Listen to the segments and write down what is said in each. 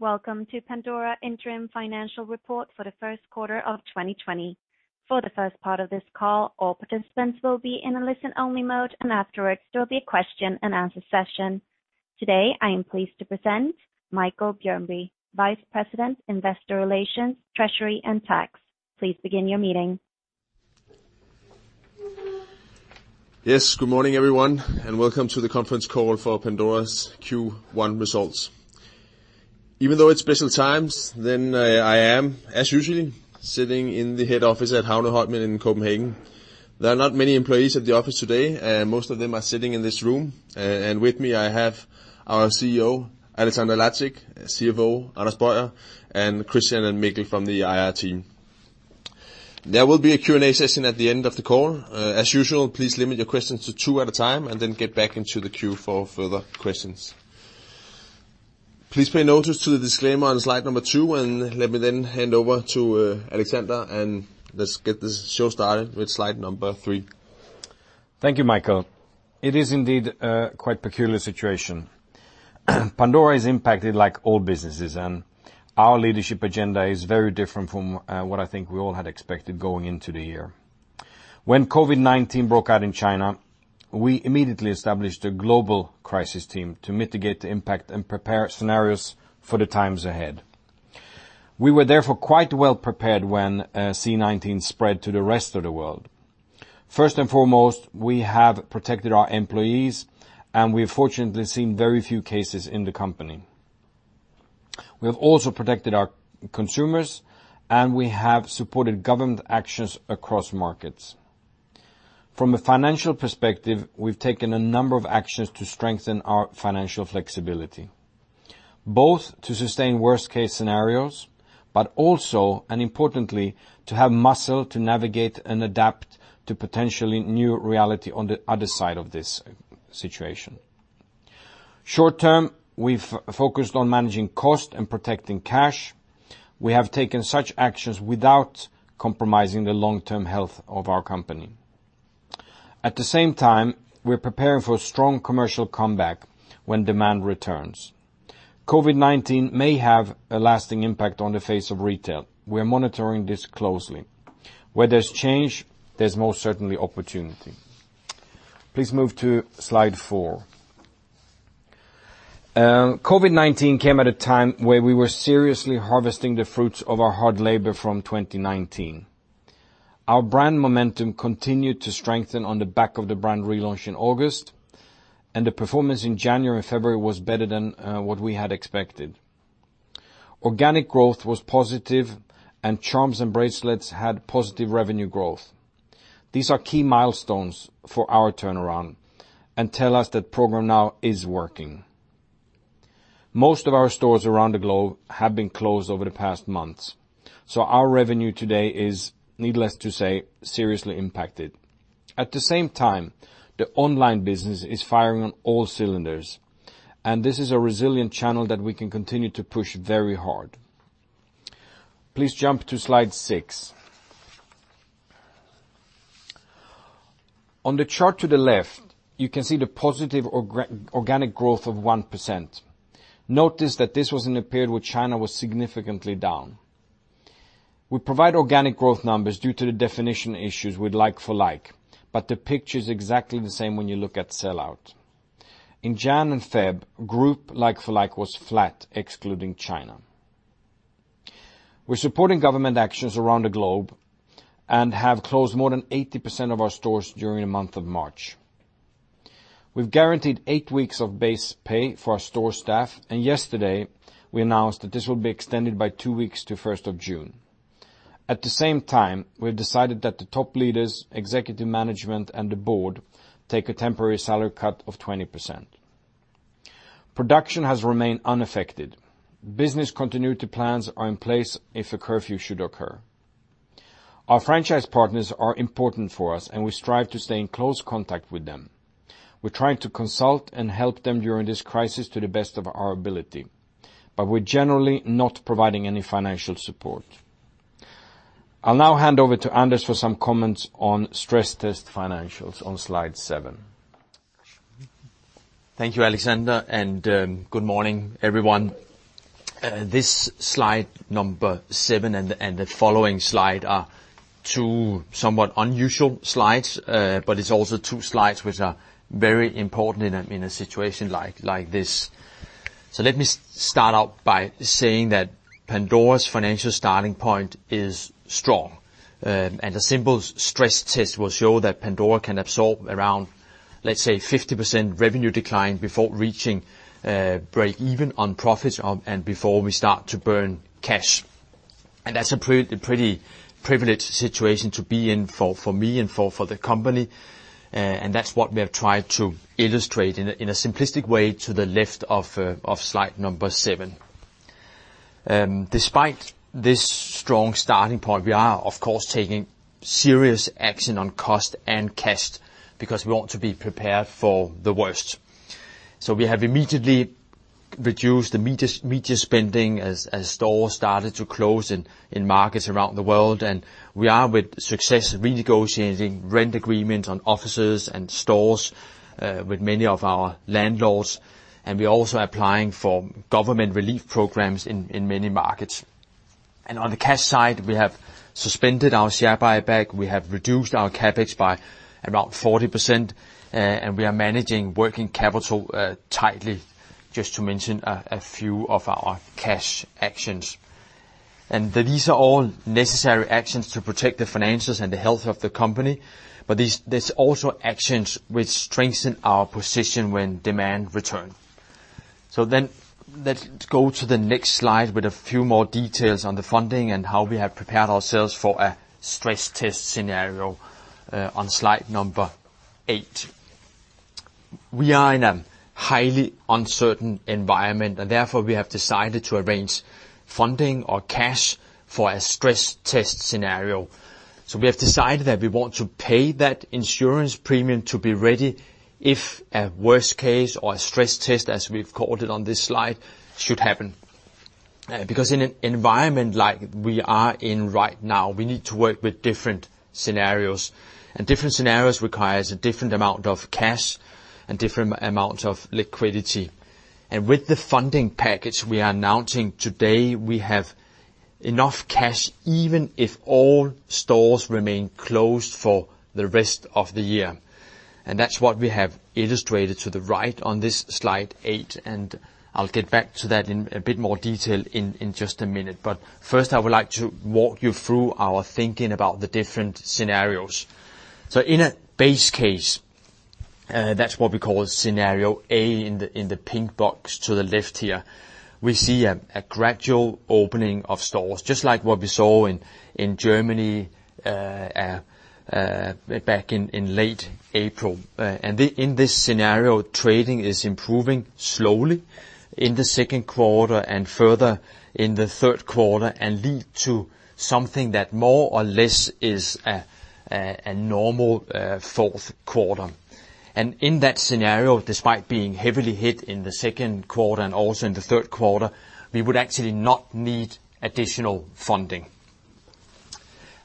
Welcome to Pandora interim financial report for the first quarter of 2020. For the first part of this call, all participants will be in a listen-only mode, and afterwards, there will be a question-and-answer session. Today, I am pleased to present Michael Bjergby, Vice President, Investor Relations, Treasury and Tax. Please begin your meeting. Yes. Good morning, everyone, and welcome to the conference call for Pandora's Q1 results. Even though it's special times, then I am, as usually, sitting in the head office at Havneholmen in Copenhagen. There are not many employees at the office today. Most of them are sitting in this room. With me, I have our CEO, Alexander Lacik, CFO, Anders Boyer, and Christian and Mikkel from the IR team. There will be a Q&A session at the end of the call. As usual, please limit your questions to two at a time, and then get back into the queue for further questions. Please pay notice to the disclaimer on slide number two, and let me then hand over to Alexander, and let's get this show started with slide number three. Thank you, Michael. It is indeed a quite peculiar situation. Pandora is impacted like all businesses, and our leadership agenda is very different from what I think we all had expected going into the year. When COVID-19 broke out in China, we immediately established a global crisis team to mitigate the impact and prepare scenarios for the times ahead. We were therefore quite well prepared when C-19 spread to the rest of the world. First and foremost, we have protected our employees, and we have fortunately seen very few cases in the company. We have also protected our consumers, and we have supported government actions across markets. From a financial perspective, we've taken a number of actions to strengthen our financial flexibility, both to sustain worst-case scenarios, but also, and importantly, to have muscle to navigate and adapt to potentially new reality on the other side of this situation. Short term, we've focused on managing cost and protecting cash. We have taken such actions without compromising the long-term health of our company. At the same time, we're preparing for a strong commercial comeback when demand returns. COVID-19 may have a lasting impact on the face of retail. We're monitoring this closely. Where there's change, there's most certainly opportunity. Please move to slide four. COVID-19 came at a time where we were seriously harvesting the fruits of our hard labor from 2019. Our brand momentum continued to strengthen on the back of the brand relaunch in August, and the performance in January and February was better than what we had expected. Organic growth was positive and charms and bracelets had positive revenue growth. These are key milestones for our turnaround and tell us that Programme NOW is working. Most of our stores around the globe have been closed over the past months. Our revenue today is, needless to say, seriously impacted. At the same time, the online business is firing on all cylinders, and this is a resilient channel that we can continue to push very hard. Please jump to slide six. On the chart to the left, you can see the positive organic growth of 1%. Notice that this was in a period where China was significantly down. We provide organic growth numbers due to the definition issues with like-for-like, but the picture is exactly the same when you look at sell-out. In Jan and Feb, group like-for-like was flat, excluding China. We're supporting government actions around the globe and have closed more than 80% of our stores during the month of March. We've guaranteed eight weeks of base pay for our store staff. Yesterday we announced that this will be extended by two weeks to 1st of June. At the same time, we have decided that the top leaders, executive management, and the board take a temporary salary cut of 20%. Production has remained unaffected. Business continuity plans are in place if a curfew should occur. Our franchise partners are important for us and we strive to stay in close contact with them. We're trying to consult and help them during this crisis to the best of our ability, but we're generally not providing any financial support. I'll now hand over to Anders for some comments on stress test financials on slide seven. Thank you, Alexander. Good morning, everyone. This slide number seven and the following slide are two somewhat unusual slides, but it's also two slides which are very important in a situation like this. Let me start out by saying that Pandora's financial starting point is strong, and a simple stress test will show that Pandora can absorb around, let's say, 50% revenue decline before reaching breakeven on profits and before we start to burn cash. That's a pretty privileged situation to be in for me and for the company, and that's what we have tried to illustrate in a simplistic way to the left of slide number seven. Despite this strong starting point, we are of course, taking serious action on cost and cash because we want to be prepared for the worst. We have immediately reduced the media spending as stores started to close in markets around the world. We are with success renegotiating rent agreements on offices and stores with many of our landlords. We are also applying for government relief programs in many markets. On the cash side, we have suspended our share buyback. We have reduced our CapEx by around 40%, and we are managing working capital tightly, just to mention a few of our cash actions. These are all necessary actions to protect the financials and the health of the company. There's also actions which strengthen our position when demand return. Let's go to the next slide with a few more details on the funding and how we have prepared ourselves for a stress test scenario, on slide number eight. We are in a highly uncertain environment, therefore, we have decided to arrange funding or cash for a stress test scenario. We have decided that we want to pay that insurance premium to be ready if a worst case or a stress test, as we've called it on this slide, should happen. In an environment like we are in right now, we need to work with different scenarios, different scenarios requires a different amount of cash and different amount of liquidity. With the funding package we are announcing today, we have enough cash, even if all stores remain closed for the rest of the year. That's what we have illustrated to the right on this slide eight, I'll get back to that in a bit more detail in just a minute. First, I would like to walk you through our thinking about the different scenarios. In a base case, that's what we call scenario A in the pink box to the left here, we see a gradual opening of stores, just like what we saw in Germany back in late April. In this scenario, trading is improving slowly in the second quarter and further in the third quarter and lead to something that more or less is a normal fourth quarter. In that scenario, despite being heavily hit in the second quarter and also in the third quarter, we would actually not need additional funding.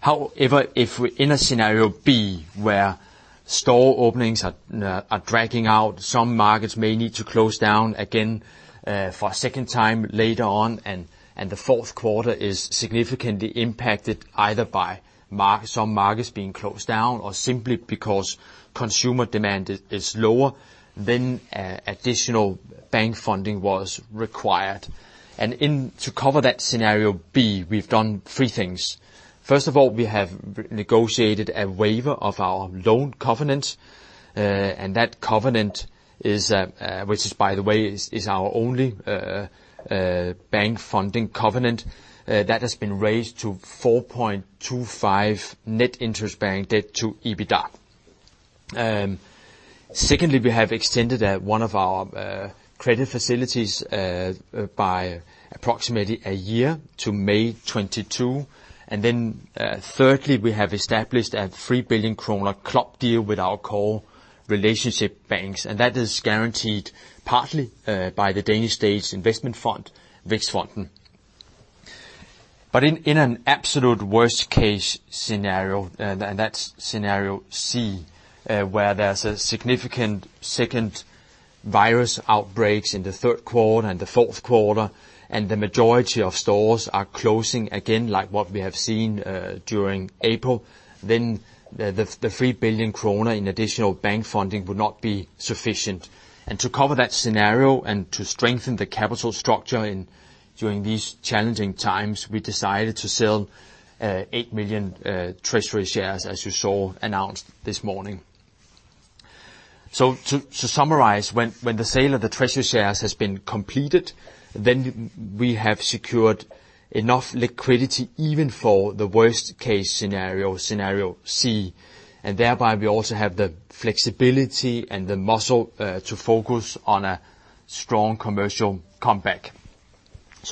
However, if we're in a scenario B, where store openings are dragging out, some markets may need to close down again for a second time later on, and the fourth quarter is significantly impacted either by some markets being closed down or simply because consumer demand is lower, then additional bank funding was required. To cover that scenario B, we've done three things. First of all, we have negotiated a waiver of our loan covenant, that covenant which by the way, is our only bank funding covenant that has been raised to 4.25 net interest bank debt to EBITDA. Secondly, we have extended one of our credit facilities by approximately a year to May 2022. Thirdly, we have established a 3 billion kroner club deal with our core relationship banks, that is guaranteed partly by the Danish State Investment Fund, Vækstfonden. In an absolute worst-case scenario, and that's scenario C, where there's a significant second virus outbreaks in the third quarter and the fourth quarter, and the majority of stores are closing again like what we have seen during April, the 3 billion kroner in additional bank funding would not be sufficient. To cover that scenario and to strengthen the capital structure during these challenging times, we decided to sell 8 million treasury shares, as you saw announced this morning. To summarize, when the sale of the treasury shares has been completed, we have secured enough liquidity even for the worst-case scenario C. Thereby, we also have the flexibility and the muscle to focus on a strong commercial comeback.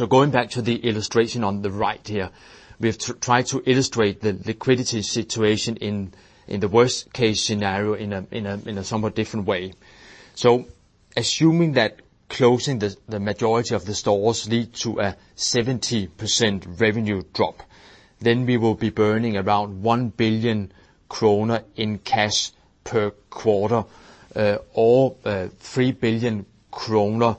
Going back to the illustration on the right here, we have tried to illustrate the liquidity situation in the worst-case scenario in a somewhat different way. Assuming that closing the majority of the stores lead to a 70% revenue drop, then we will be burning around 1 billion kroner in cash per quarter, or 3 billion kroner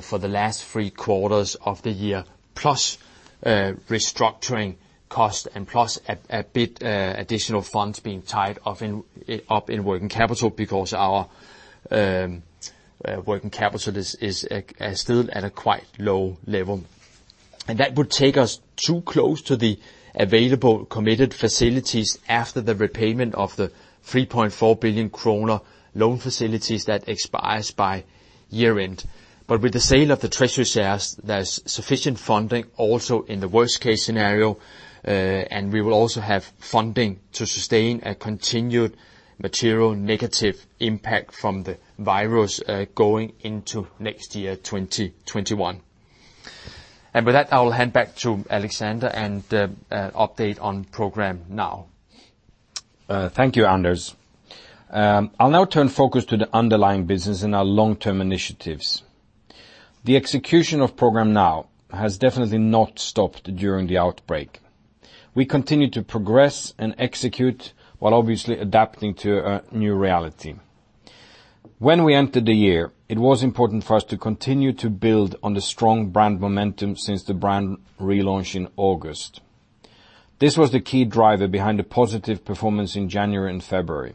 for the last three quarters of the year, plus restructuring costs and plus a bit additional funds being tied up in working capital because our working capital is still at a quite low level. That would take us too close to the available committed facilities after the repayment of the 3.4 billion kroner loan facilities that expires by year-end. With the sale of the treasury shares, there's sufficient funding also in the worst-case scenario, and we will also have funding to sustain a continued material negative impact from the virus going into next year, 2021. With that, I will hand back to Alexander and update on Programme NOW. Thank you, Anders. I'll now turn focus to the underlying business and our long-term initiatives. The execution of Programme NOW has definitely not stopped during the outbreak. We continue to progress and execute while obviously adapting to a new reality. When we entered the year, it was important for us to continue to build on the strong brand momentum since the brand relaunch in August. This was the key driver behind the positive performance in January and February.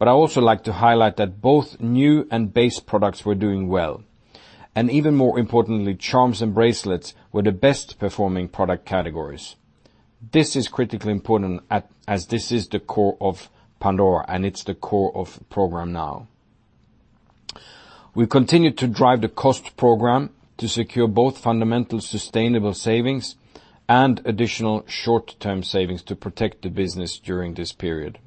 I also like to highlight that both new and base products were doing well, and even more importantly, charms and bracelets were the best performing product categories. This is critically important, as this is the core of Pandora, and it's the core of Programme NOW. We continue to drive the cost program to secure both fundamental sustainable savings and additional short-term savings to protect the business during this period.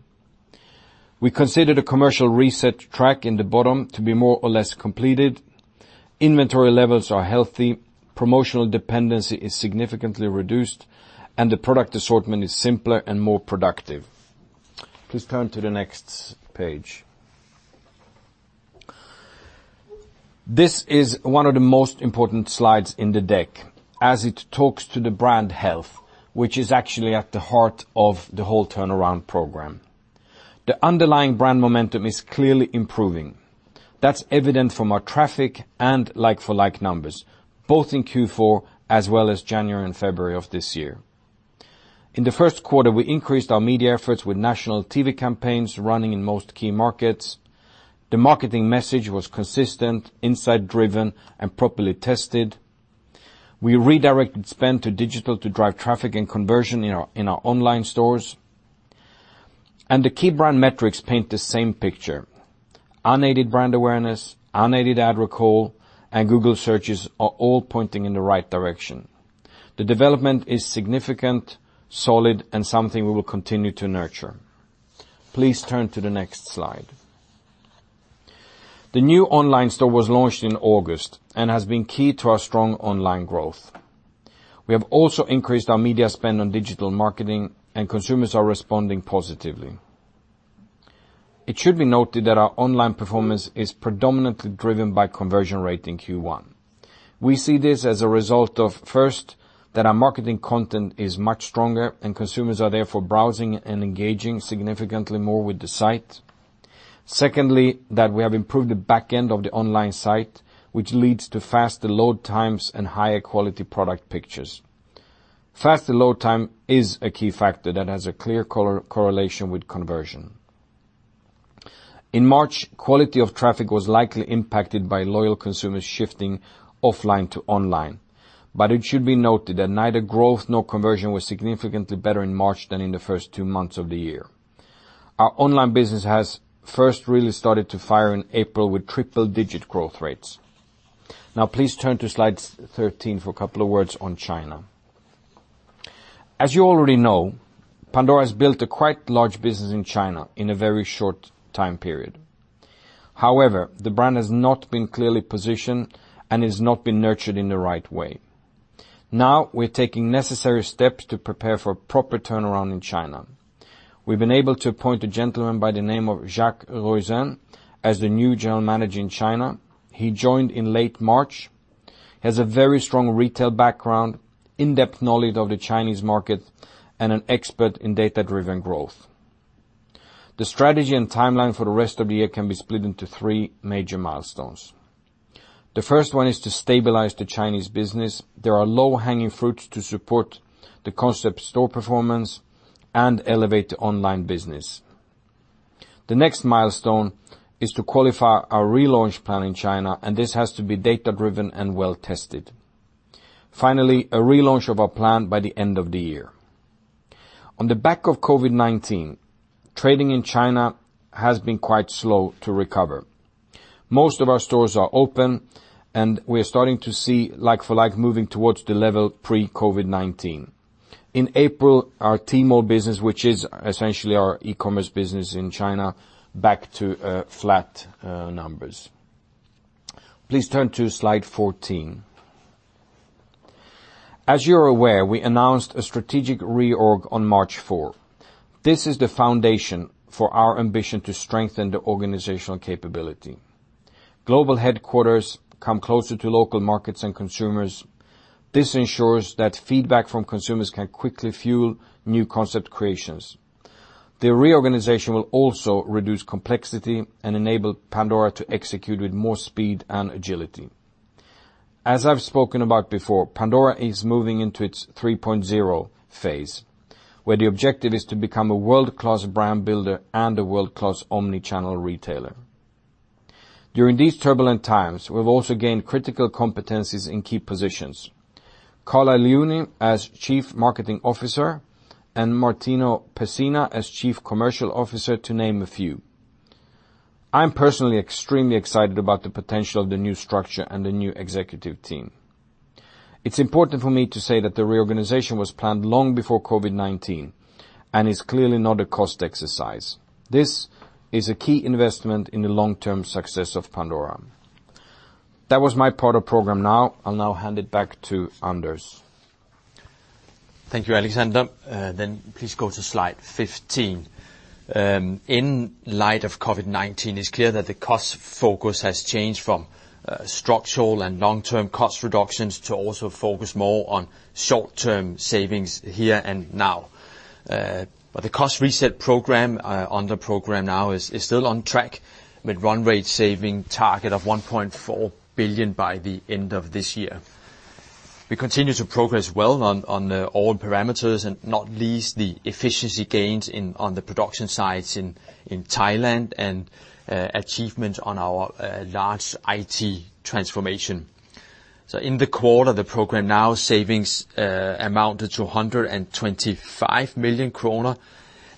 We consider the commercial reset track in the bottom to be more or less completed. Inventory levels are healthy, promotional dependency is significantly reduced, and the product assortment is simpler and more productive. Please turn to the next page. This is one of the most important slides in the deck, as it talks to the brand health, which is actually at the heart of the whole turnaround program. The underlying brand momentum is clearly improving. That's evident from our traffic and like-for-like numbers, both in Q4 as well as January and February of this year. In the first quarter, we increased our media efforts with national TV campaigns running in most key markets. The marketing message was consistent, insight driven, and properly tested. We redirected spend to digital to drive traffic and conversion in our online stores. The key brand metrics paint the same picture. Unaided brand awareness, unaided ad recall, and Google searches are all pointing in the right direction. The development is significant, solid, and something we will continue to nurture. Please turn to the next slide. The new online store was launched in August and has been key to our strong online growth. We have also increased our media spend on digital marketing, and consumers are responding positively. It should be noted that our online performance is predominantly driven by conversion rate in Q1. We see this as a result of, first, that our marketing content is much stronger and consumers are therefore browsing and engaging significantly more with the site. Secondly, that we have improved the back end of the online site, which leads to faster load times and higher quality product pictures. Faster load time is a key factor that has a clear correlation with conversion. In March, quality of traffic was likely impacted by loyal consumers shifting offline to online, but it should be noted that neither growth nor conversion was significantly better in March than in the first two months of the year. Our online business has first really started to fire in April with triple digit growth rates. Please turn to slide 13 for a couple of words on China. As you already know, Pandora has built a quite large business in China in a very short time period. The brand has not been clearly positioned and has not been nurtured in the right way. We're taking necessary steps to prepare for a proper turnaround in China. We've been able to appoint a gentleman by the name of Jacques Roizen as the new general manager in China. He joined in late March, has a very strong retail background, in-depth knowledge of the Chinese market, and an expert in data-driven growth. The strategy and timeline for the rest of the year can be split into three major milestones. The first one is to stabilize the Chinese business. There are low-hanging fruits to support the concept store performance and elevate the online business. The next milestone is to qualify our relaunch plan in China. This has to be data-driven and well tested. Finally, a relaunch of our plan by the end of the year. On the back of COVID-19, trading in China has been quite slow to recover. Most of our stores are open. We are starting to see like-for-like moving towards the level pre-COVID-19. In April, our Tmall business, which is essentially our e-commerce business in China, back to flat numbers. Please turn to slide 14. As you're aware, we announced a strategic reorg on March 4. This is the foundation for our ambition to strengthen the organizational capability. Global headquarters come closer to local markets and consumers. This ensures that feedback from consumers can quickly fuel new concept creations. The reorganization will also reduce complexity and enable Pandora to execute with more speed and agility. As I've spoken about before, Pandora is moving into its 3.0 phase, where the objective is to become a world-class brand builder and a world-class omni-channel retailer. During these turbulent times, we've also gained critical competencies in key positions. Carla Liuni as Chief Marketing Officer, and Martino Pessina as Chief Commercial Officer, to name a few. I'm personally extremely excited about the potential of the new structure and the new executive team. It's important for me to say that the reorganization was planned long before COVID-19 and is clearly not a cost exercise. This is a key investment in the long-term success of Pandora. That was my part of Programme NOW. I'll now hand it back to Anders. Thank you, Alexander. Please go to slide 15. In light of COVID-19, it's clear that the cost focus has changed from structural and long-term cost reductions to also focus more on short-term savings here and now. The cost reset program under Programme NOW is still on track with run rate saving target of 1.4 billion by the end of this year. We continue to progress well on all parameters, and not least the efficiency gains on the production sites in Thailand and achievements on our large IT transformation. In the quarter, the program now savings amounted to 125 million kroner,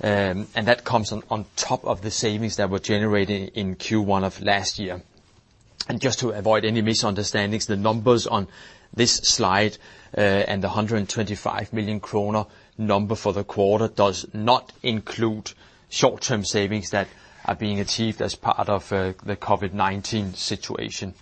and that comes on top of the savings that were generated in Q1 of last year. Just to avoid any misunderstandings, the numbers on this slide and the 125 million kroner number for the quarter does not include short-term savings that are being achieved as part of the COVID-19 situation.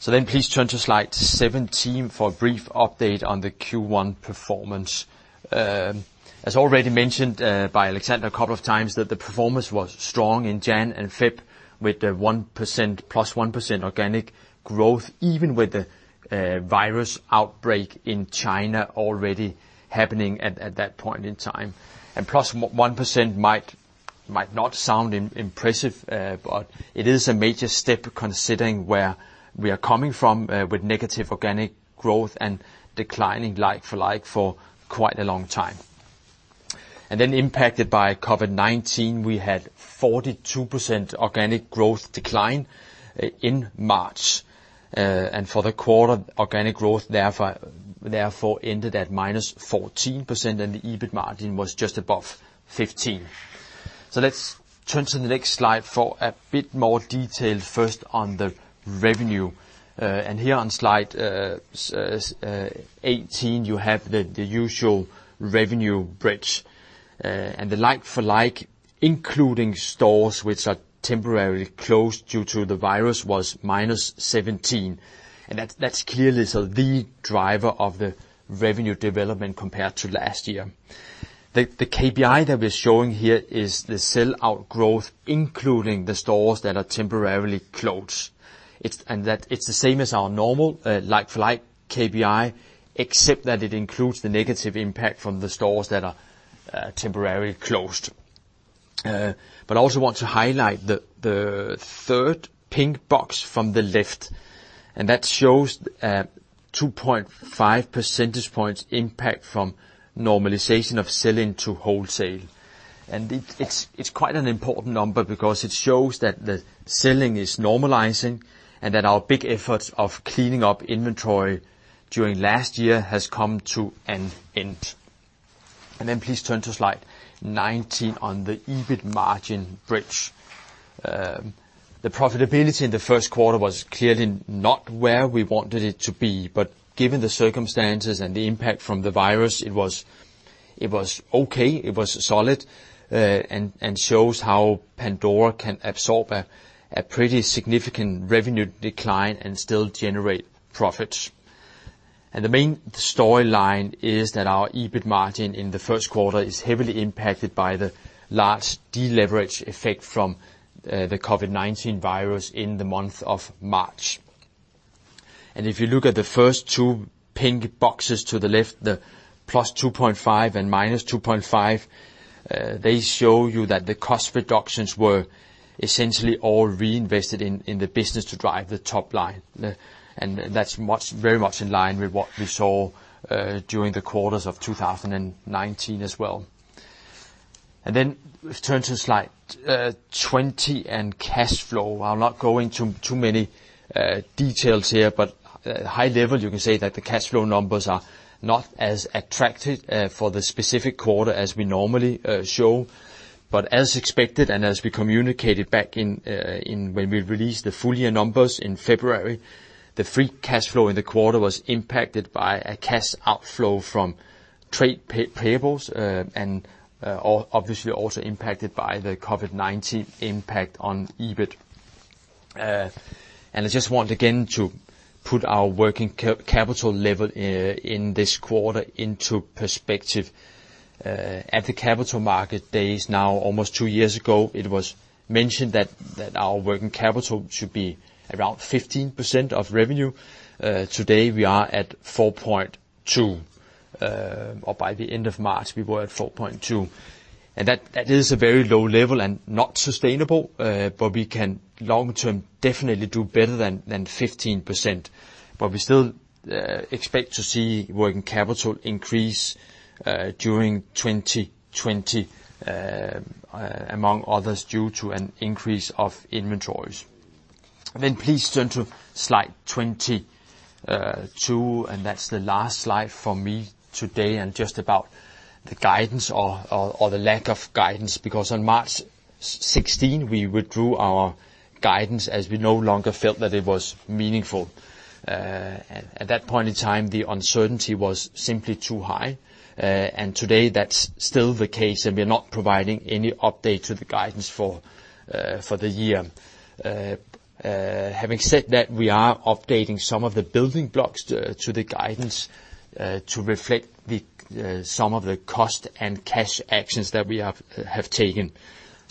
Please turn to slide 17 for a brief update on the Q1 performance. As already mentioned by Alexander a couple of times, that the performance was strong in Jan and Feb with the +1% organic growth, even with the virus outbreak in China already happening at that point in time. +1% might not sound impressive, but it is a major step considering where we are coming from, with negative organic growth and declining like-for-like for quite a long time. Impacted by COVID-19, we had 42% organic growth decline in March. For the quarter, organic growth, therefore, ended at -14%, and the EBIT margin was just above 15%. Let's turn to the next slide for a bit more detail, first on the revenue. Here on slide 18, you have the usual revenue bridge. The like-for-like, including stores which are temporarily closed due to the virus, was -17%. That's clearly the driver of the revenue development compared to last year. The KPI that we're showing here is the sell-out growth, including the stores that are temporarily closed. It's the same as our normal like-for-like KPI, except that it includes the negative impact from the stores that are temporarily closed. I also want to highlight the third pink box from the left, and that shows a 2.5 percentage points impact from normalization of selling to wholesale. It's quite an important number because it shows that the selling is normalizing and that our big efforts of cleaning up inventory during last year has come to an end. Please turn to slide 19 on the EBIT margin bridge. The profitability in the first quarter was clearly not where we wanted it to be, but given the circumstances and the impact from the virus, it was okay, it was solid, and shows how Pandora can absorb a pretty significant revenue decline and still generate profits. The main storyline is that our EBIT margin in the first quarter is heavily impacted by the large deleverage effect from the COVID-19 virus in the month of March. If you look at the first two pink boxes to the left, the plus 2.5 and minus 2.5, they show you that the cost reductions were essentially all reinvested in the business to drive the top line. That's very much in line with what we saw during the quarters of 2019 as well. Let's turn to slide 20 and cash flow. I'll not go into too many details here, high level, you can say that the cash flow numbers are not as attractive for the specific quarter as we normally show. As expected, and as we communicated back when we released the full year numbers in February, the free cash flow in the quarter was impacted by a cash outflow from trade payables, and obviously also impacted by the COVID-19 impact on EBIT. I just want again to put our working capital level in this quarter into perspective. At the Capital Markets Day now almost two years ago, it was mentioned that our working capital should be around 15% of revenue. Today, we are at 4.2, or by the end of March, we were at 4.2. That is a very low level and not sustainable. We can long term definitely do better than 15%. We still expect to see working capital increase during 2020, among others, due to an increase of inventories. Please turn to slide 22, and that's the last slide from me today and just about the guidance or the lack of guidance. On March 16, we withdrew our guidance as we no longer felt that it was meaningful. At that point in time, the uncertainty was simply too high. Today, that's still the case, and we're not providing any update to the guidance for the year. Having said that, we are updating some of the building blocks to the guidance to reflect some of the cost and cash actions that we have taken.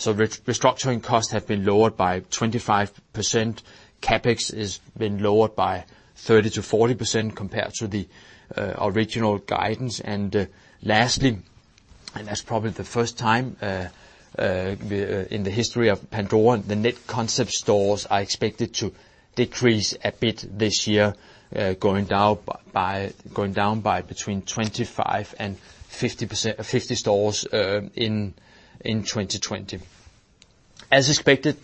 Restructuring costs have been lowered by 25%. CapEx has been lowered by 30%-40% compared to the original guidance. That's probably the first time in the history of Pandora, the net concept stores are expected to decrease a bit this year, going down by between 25 and 50 stores in 2020. As expected,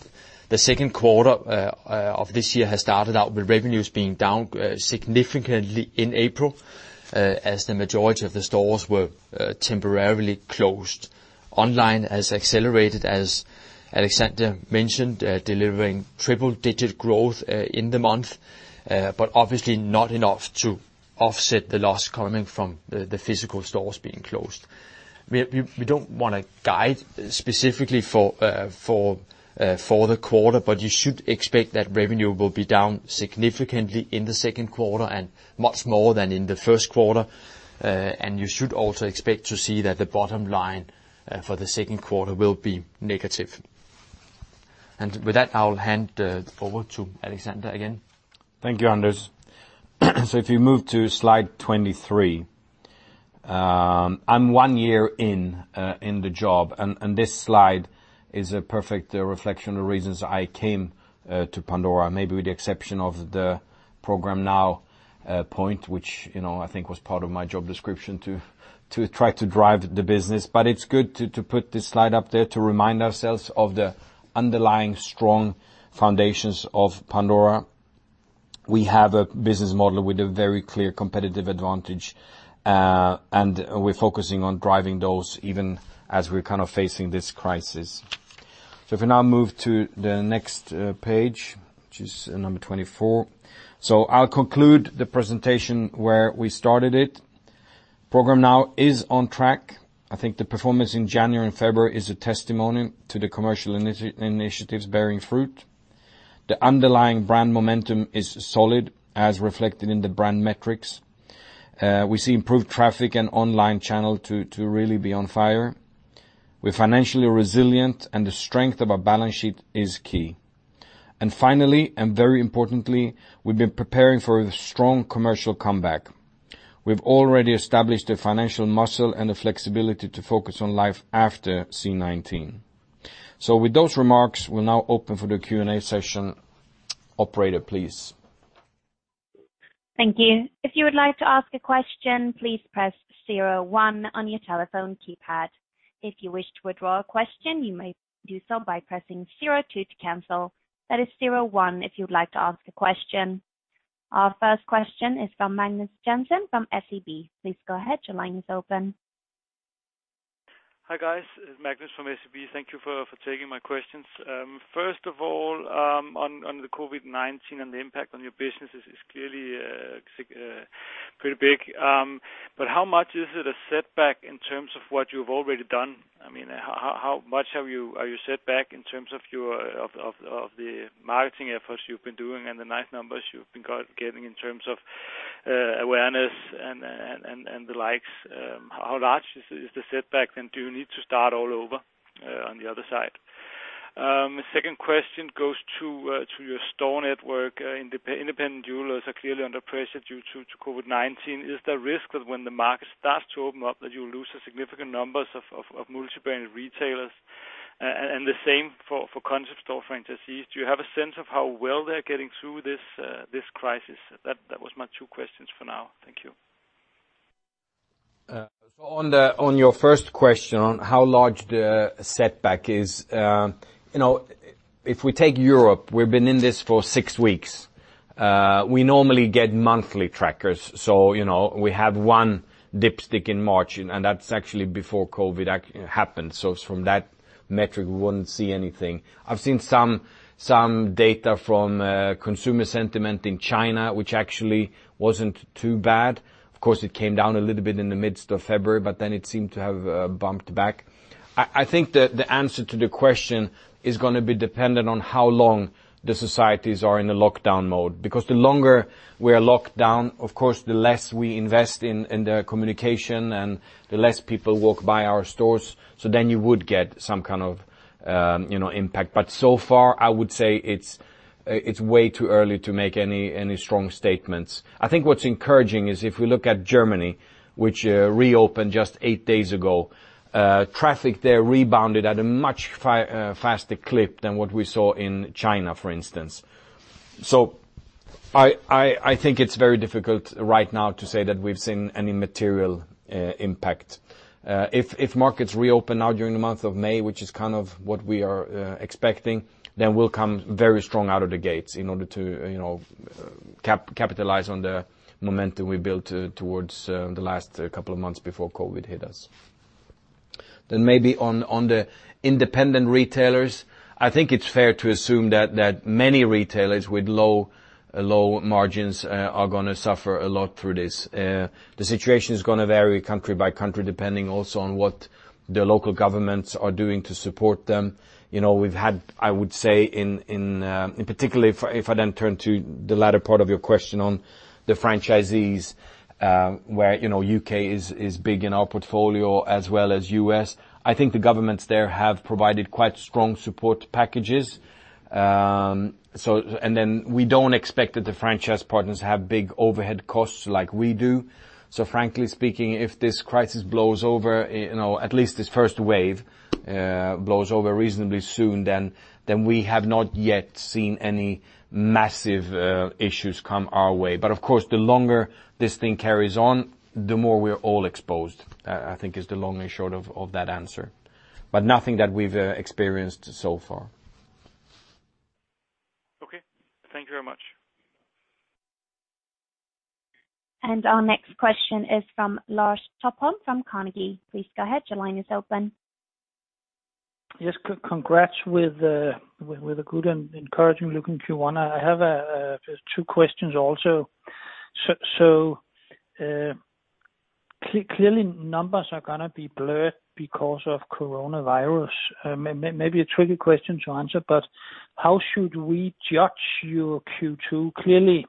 the second quarter of this year has started out with revenues being down significantly in April, as the majority of the stores were temporarily closed. Online has accelerated, as Alexander mentioned, delivering triple-digit growth in the month, obviously not enough to offset the loss coming from the physical stores being closed. We don't want to guide specifically for the quarter, you should expect that revenue will be down significantly in the second quarter and much more than in the first quarter. You should also expect to see that the bottom line for the second quarter will be negative. With that, I will hand forward to Alexander again. Thank you, Anders. If you move to slide 23. I'm one year in the job, and this slide is a perfect reflection of reasons I came to Pandora, maybe with the exception of the Programme NOW point, which I think was part of my job description to try to drive the business. But it's good to put this slide up there to remind ourselves of the underlying strong foundations of Pandora. We have a business model with a very clear competitive advantage, and we're focusing on driving those even as we're kind of facing this crisis. If we now move to the next page, which is number 24. I'll conclude the presentation where we started it. Programme NOW is on track. I think the performance in January and February is a testimony to the commercial initiatives bearing fruit. The underlying brand momentum is solid, as reflected in the brand metrics. We see improved traffic and online channel to really be on fire. We're financially resilient, and the strength of our balance sheet is key. Finally, and very importantly, we've been preparing for a strong commercial comeback. We've already established the financial muscle and the flexibility to focus on life after C-19. With those remarks, we'll now open for the Q&A session. Operator, please. Thank you. If you would like to ask a question, please press zero one on your telephone keypad. If you wish to withdraw a question, you may do so by pressing zero two to cancel. That is zero one if you would like to ask a question. Our first question is from Magnus Jensen from SEB. Please go ahead. Your line is open. Hi, guys. It's Magnus from SEB. Thank you for taking my questions. First of all, on the COVID-19 and the impact on your business is clearly pretty big. How much is it a setback in terms of what you've already done? How much are you set back in terms of the marketing efforts you've been doing and the nice numbers you've been getting in terms of awareness and the likes? How large is the setback, and do you need to start all over on the other side? Second question goes to your store network. Independent jewelers are clearly under pressure due to COVID-19. Is there a risk that when the market starts to open up that you'll lose significant numbers of multi-brand retailers? The same for concept store franchisees. Do you have a sense of how well they're getting through this crisis? That was my two questions for now. Thank you. On your first question on how large the setback is, if we take Europe, we've been in this for 6 weeks. We normally get monthly trackers, so we have one dipstick in March, and that's actually before COVID happened. From that metric, we wouldn't see anything. I've seen some data from consumer sentiment in China, which actually wasn't too bad. Of course, it came down a little bit in the midst of February, but then it seemed to have bumped back. I think the answer to the question is going to be dependent on how long the societies are in a lockdown mode, because the longer we are locked down, of course, the less we invest in the communication and the less people walk by our stores. Then you would get some kind of impact. So far, I would say it's way too early to make any strong statements. I think what's encouraging is if we look at Germany, which reopened just eight days ago, traffic there rebounded at a much faster clip than what we saw in China, for instance. I think it's very difficult right now to say that we've seen any material impact. If markets reopen now during the month of May, which is kind of what we are expecting, we'll come very strong out of the gates in order to capitalize on the momentum we built towards the last couple of months before COVID hit us. Maybe on the independent retailers, I think it's fair to assume that many retailers with low margins are going to suffer a lot through this. The situation is going to vary country by country, depending also on what the local governments are doing to support them. We've had, I would say, in particular, if I turn to the latter part of your question on the franchisees, where U.K. is big in our portfolio as well as U.S., I think the governments there have provided quite strong support packages. We don't expect that the franchise partners have big overhead costs like we do. Frankly speaking, if this crisis blows over, at least this first wave blows over reasonably soon, then we have not yet seen any massive issues come our way. Of course, the longer this thing carries on, the more we're all exposed, I think is the long and short of that answer. Nothing that we've experienced so far. Our next question is from Lars Topholm from Carnegie. Please go ahead. Your line is open. Yes. Congrats with the good and encouraging looking Q1. I have two questions also. Clearly numbers are going to be blurred because of coronavirus. Maybe a tricky question to answer, how should we judge your Q2? Clearly,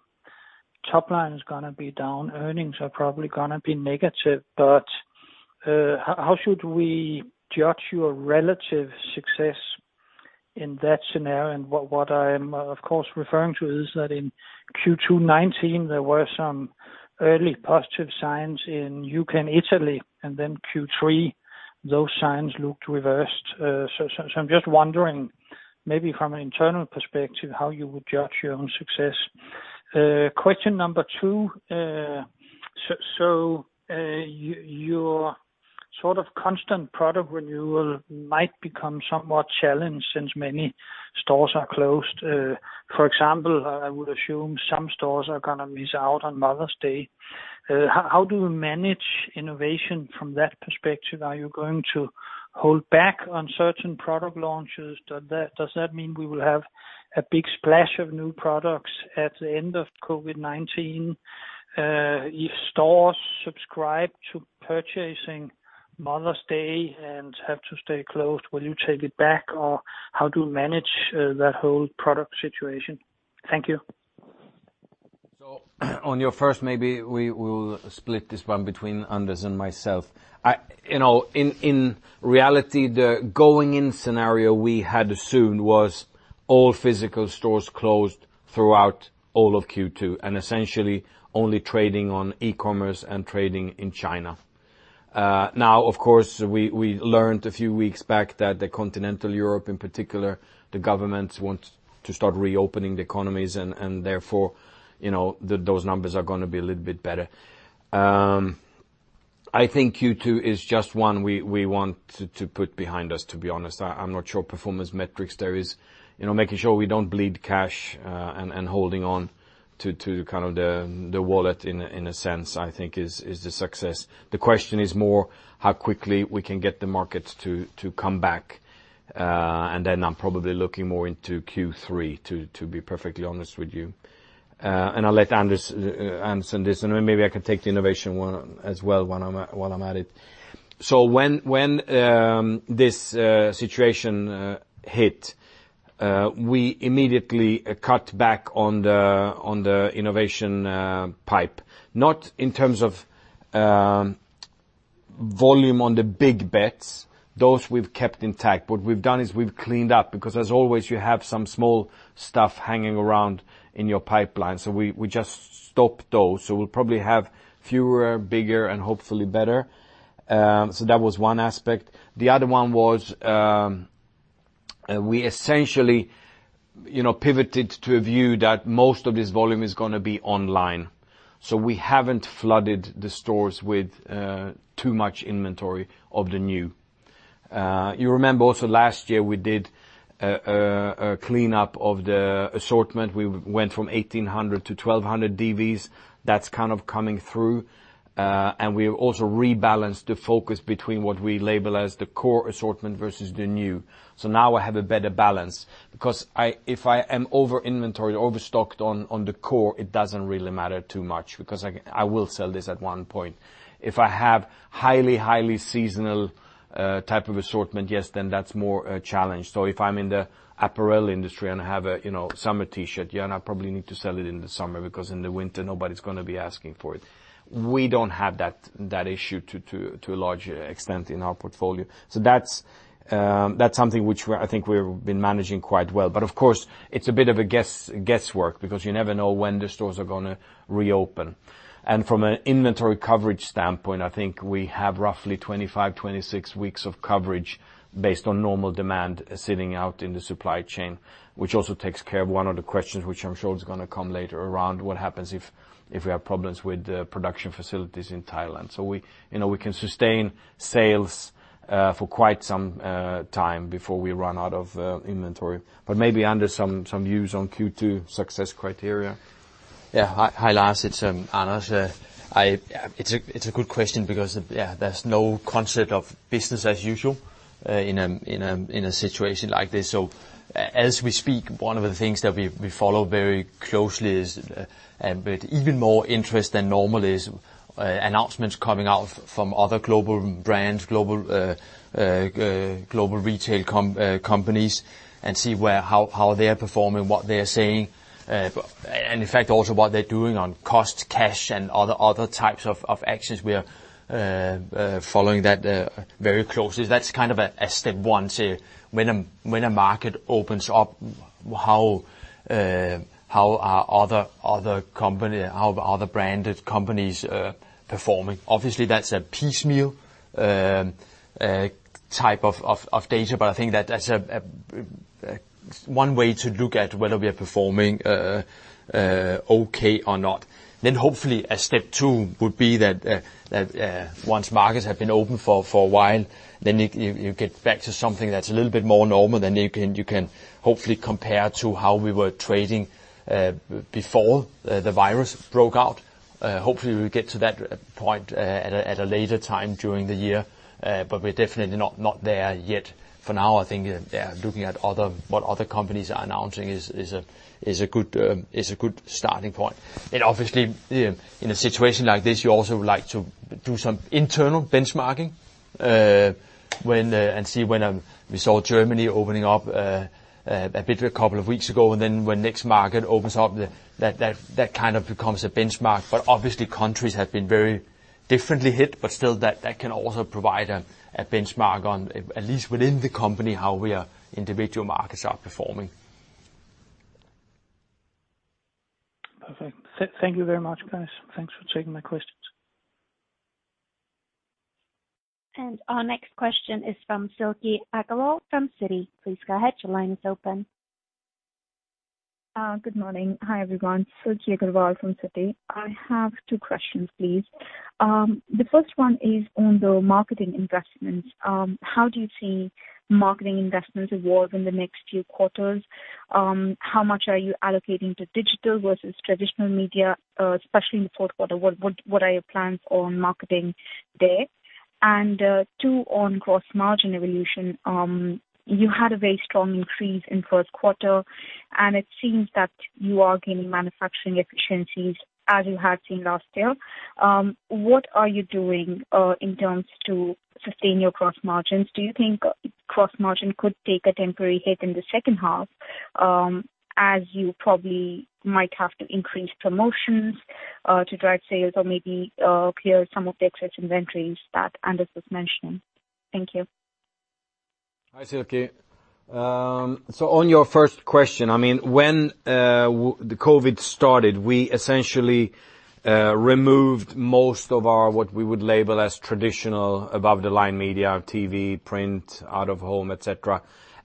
top line is going to be down. Earnings are probably going to be negative, how should we judge your relative success in that scenario? What I am of course referring to is that in Q2 2019, there were some early positive signs in U.K. and Italy, and then Q3, those signs looked reversed. I'm just wondering, maybe from an internal perspective, how you would judge your own success. Question number two, your sort of constant product renewal might become somewhat challenged since many stores are closed. For example, I would assume some stores are going to miss out on Mother's Day. How do you manage innovation from that perspective? Are you going to hold back on certain product launches? Does that mean we will have a big splash of new products at the end of COVID-19? If stores subscribe to purchasing Mother's Day and have to stay closed, will you take it back, or how do you manage that whole product situation? Thank you. On your first, maybe we will split this one between Anders and myself. In reality, the going in scenario we had assumed was all physical stores closed throughout all of Q2, and essentially only trading on e-commerce and trading in China. Of course, we learned a few weeks back that the continental Europe in particular, the governments want to start reopening the economies and therefore, those numbers are going to be a little bit better. I think Q2 is just one we want to put behind us, to be honest. I'm not sure performance metrics there is. Making sure we don't bleed cash, and holding on to kind of the wallet in a sense, I think is the success. The question is more how quickly we can get the markets to come back. I'm probably looking more into Q3 to be perfectly honest with you. I'll let Anders answer this and maybe I can take the innovation one as well while I'm at it. When this situation hit, we immediately cut back on the innovation pipe, not in terms of volume on the big bets. Those we've kept intact. What we've done is we've cleaned up because as always, you have some small stuff hanging around in your pipeline, so we just stopped those. We'll probably have fewer, bigger and hopefully better. That was one aspect. The other one was, we essentially pivoted to a view that most of this volume is going to be online, so we haven't flooded the stores with too much inventory of the new. You remember also last year we did a cleanup of the assortment. We went from 1,800 to 1,200 SKUs. That's kind of coming through. We also rebalanced the focus between what we label as the core assortment versus the new. Now I have a better balance because if I am over inventoried, overstocked on the core, it doesn't really matter too much because I will sell this at one point. If I have highly seasonal type of assortment, yes, then that's more a challenge. If I'm in the apparel industry and I have a summer T-shirt, yeah, I probably need to sell it in the summer because in the winter nobody's going to be asking for it. We don't have that issue to a large extent in our portfolio. That's something which I think we've been managing quite well. Of course, it's a bit of a guesswork because you never know when the stores are going to reopen. From an inventory coverage standpoint, I think we have roughly 25, 26 weeks of coverage based on normal demand sitting out in the supply chain, which also takes care of one of the questions, which I'm sure is going to come later around what happens if we have problems with the production facilities in Thailand. We can sustain sales for quite some time before we run out of inventory. Maybe Anders some views on Q2 success criteria. Yeah. Hi, Lars. It's Anders. It's a good question because there's no concept of business as usual in a situation like this. As we speak, one of the things that we follow very closely, with even more interest than normal, is announcements coming out from other global brands, global retail companies, and see how they are performing, what they are saying, and in fact, also what they're doing on cost, cash and other types of actions. We are following that very closely. That's kind of a step one to when a market opens up, how are other branded companies performing? Obviously, that's a piecemeal type of data, but I think that's one way to look at whether we are performing okay or not. Hopefully step two would be that, once markets have been open for a while, then you get back to something that's a little bit more normal. You can hopefully compare to how we were trading before the virus broke out. Hopefully, we'll get to that point at a later time during the year. We're definitely not there yet. For now, I think looking at what other companies are announcing is a good starting point. Obviously, in a situation like this, you also would like to do some internal benchmarking and see we saw Germany opening up a bit couple of weeks ago, and then when next market opens up, that kind of becomes a benchmark. Obviously countries have been very differently hit, but still that can also provide a benchmark on, at least within the company, how individual markets are performing. Perfect. Thank you very much, guys. Thanks for taking my questions. Our next question is from Silky Agarwal from Citi. Please go ahead. Your line is open. Good morning. Hi, everyone. Silky Agarwal from Citi. I have two questions, please. The first one is on the marketing investments. How do you see marketing investments evolve in the next few quarters? How much are you allocating to digital versus traditional media, especially in the fourth quarter? What are your plans on marketing there? Two, on gross margin evolution. You had a very strong increase in first quarter, and it seems that you are gaining manufacturing efficiencies as you had seen last year. What are you doing in terms to sustain your gross margins? Do you think gross margin could take a temporary hit in the second half, as you probably might have to increase promotions to drive sales or maybe clear some of the excess inventories that Anders was mentioning? Thank you. Hi, Silky. On your first question, when the COVID started, we essentially removed most of our, what we would label as traditional above the line media, TV, print, out of home, et cetera.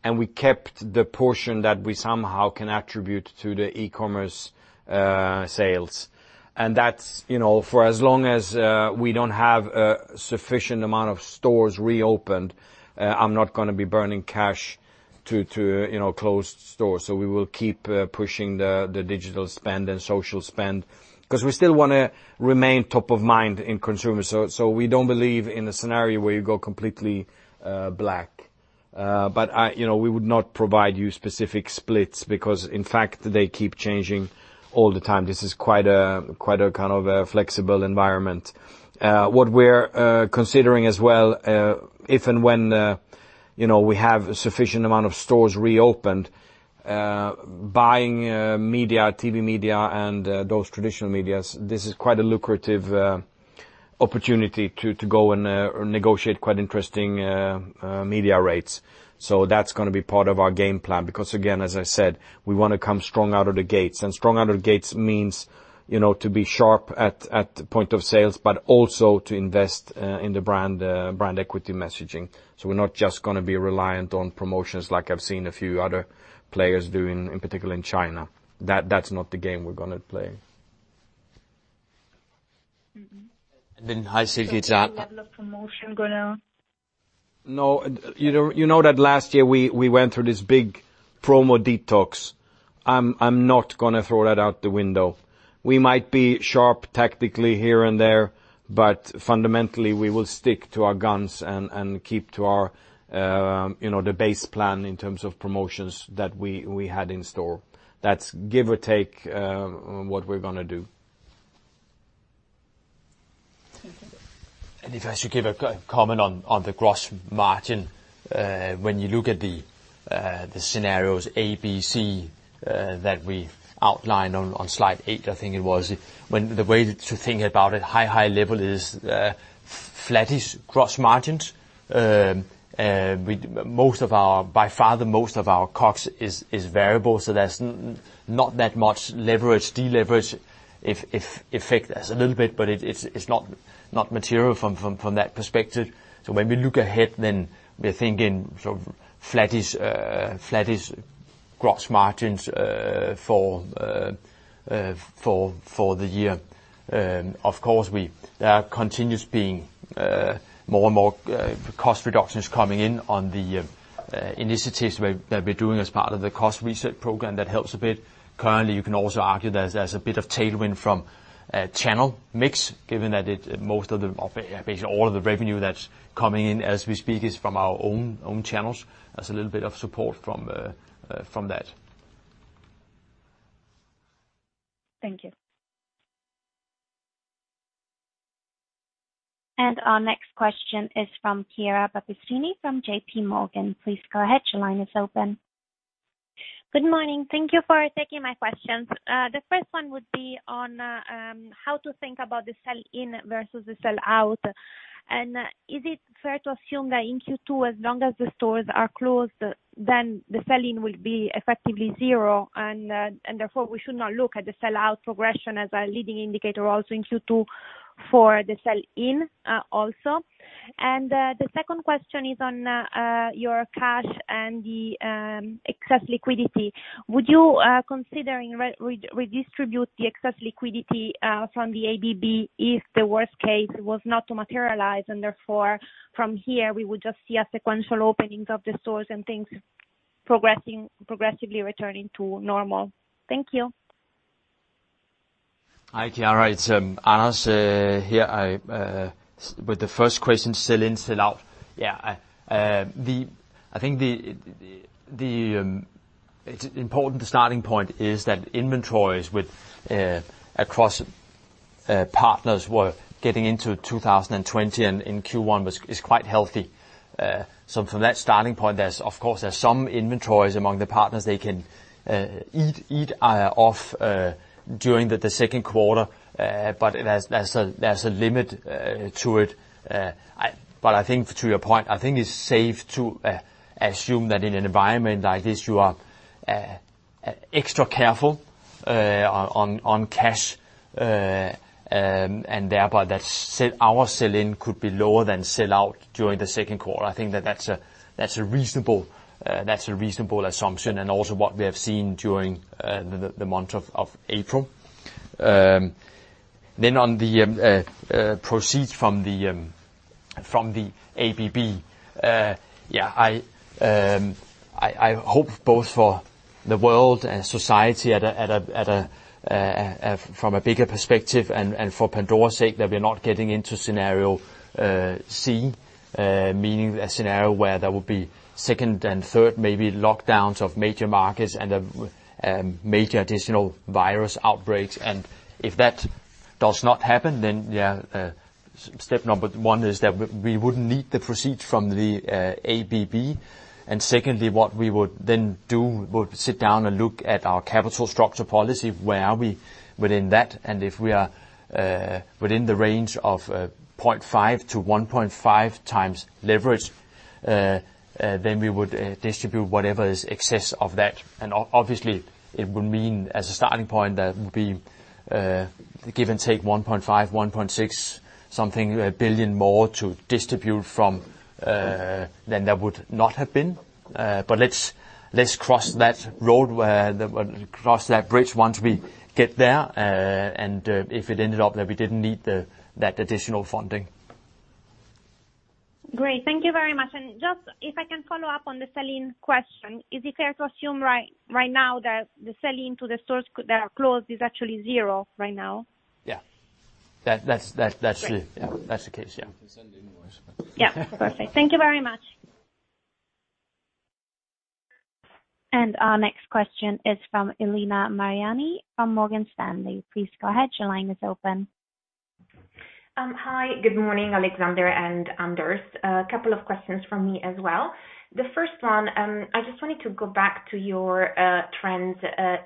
We kept the portion that we somehow can attribute to the e-commerce sales. For as long as we don't have a sufficient amount of stores reopened, I'm not going to be burning cash to closed stores. We will keep pushing the digital spend and social spend, because we still want to remain top of mind in consumers. We don't believe in a scenario where you go completely black. We would not provide you specific splits because, in fact, they keep changing all the time. This is quite a kind of a flexible environment. What we're considering as well, if and when we have sufficient amount of stores reopened, buying media, TV media and those traditional medias, this is quite a lucrative opportunity to go and negotiate quite interesting media rates. That's going to be part of our game plan, because again, as I said, we want to come strong out of the gates. Strong out of the gates means to be sharp at point of sales, but also to invest in the brand equity messaging. We're not just going to be reliant on promotions like I've seen a few other players doing, in particular in China. That's not the game we're going to play. Hi, Silky. Do you have a promotion going on? No. You know that last year we went through this big promo detox. I'm not going to throw that out the window. Fundamentally, we will stick to our guns and keep to the base plan in terms of promotions that we had in store. That's give or take what we're going to do. Thank you. If I should give a comment on the gross margin, when you look at the scenarios A, B, C that we outlined on slide eight, I think it was. The way to think about it high level is flattish gross margins. By far the most of our cost is variable, so there's not that much leverage, de-leverage effect. There's a little bit, but it's not material from that perspective. When we look ahead, then we are thinking sort of flattish gross margins for the year. Of course, there continues being more and more cost reductions coming in on the initiatives that we're doing as part of the cost reset program. That helps a bit. Currently, you can also argue there's a bit of tailwind from channel mix, given that basically all of the revenue that's coming in as we speak is from our own channels. There's a little bit of support from that. Thank you. Our next question is from Chiara Battistini from J.P. Morgan. Please go ahead, your line is open. Good morning. Thank you for taking my questions. The first one would be on how to think about the sell in versus the sell out. Is it fair to assume that in Q2, as long as the stores are closed, then the sell-in will be effectively zero, and therefore we should not look at the sell-out progression as a leading indicator also in Q2 for the sell-in also? The second question is on your cash and the excess liquidity. Would you consider redistribute the excess liquidity from the ABB if the worst case was not to materialize, and therefore from here, we would just see a sequential opening of the stores and things progressively returning to normal? Thank you. Hi, Chiara. It's Anders here. With the first question, sell-in, sell-out. I think the important starting point is that inventories across partners were getting into 2020 and in Q1 is quite healthy. From that starting point, of course, there's some inventories among the partners they can eat off during the second quarter, but there's a limit to it. I think to your point, I think it's safe to assume that in an environment like this, you are extra careful on cash, and thereby our sell in could be lower than sell out during the second quarter. I think that's a reasonable assumption and also what we have seen during the month of April. On the proceeds from the ABB. Yeah, I hope both for the world and society from a bigger perspective and for Pandora's sake, that we're not getting into scenario C, meaning a scenario where there will be second and third, maybe lockdowns of major markets and major additional virus outbreaks. If that does not happen, then yeah, step number one is that we wouldn't need the proceed from the ABB. Secondly, what we would then do, we would sit down and look at our capital structure policy, where are we within that? If we are within the range of 0.5-1.5 times leverage, then we would distribute whatever is excess of that. Obviously it would mean, as a starting point, that would be give and take 1.5 billion, 1.6 something billion more to distribute from, than there would not have been. Let's cross that bridge once we get there, and if it ended up that we didn't need that additional funding. Great. Thank you very much. Just if I can follow up on the sell-in question, is it fair to assume right now that the sell-in to the stores that are closed is actually zero right now? Yeah. That's true. Yeah. That's the case. Yeah. Yeah. Perfect. Thank you very much. Our next question is from Elena Mariani from Morgan Stanley. Please go ahead. Your line is open. Hi. Good morning, Alexander and Anders. A couple of questions from me as well. The first one, I just wanted to go back to your trends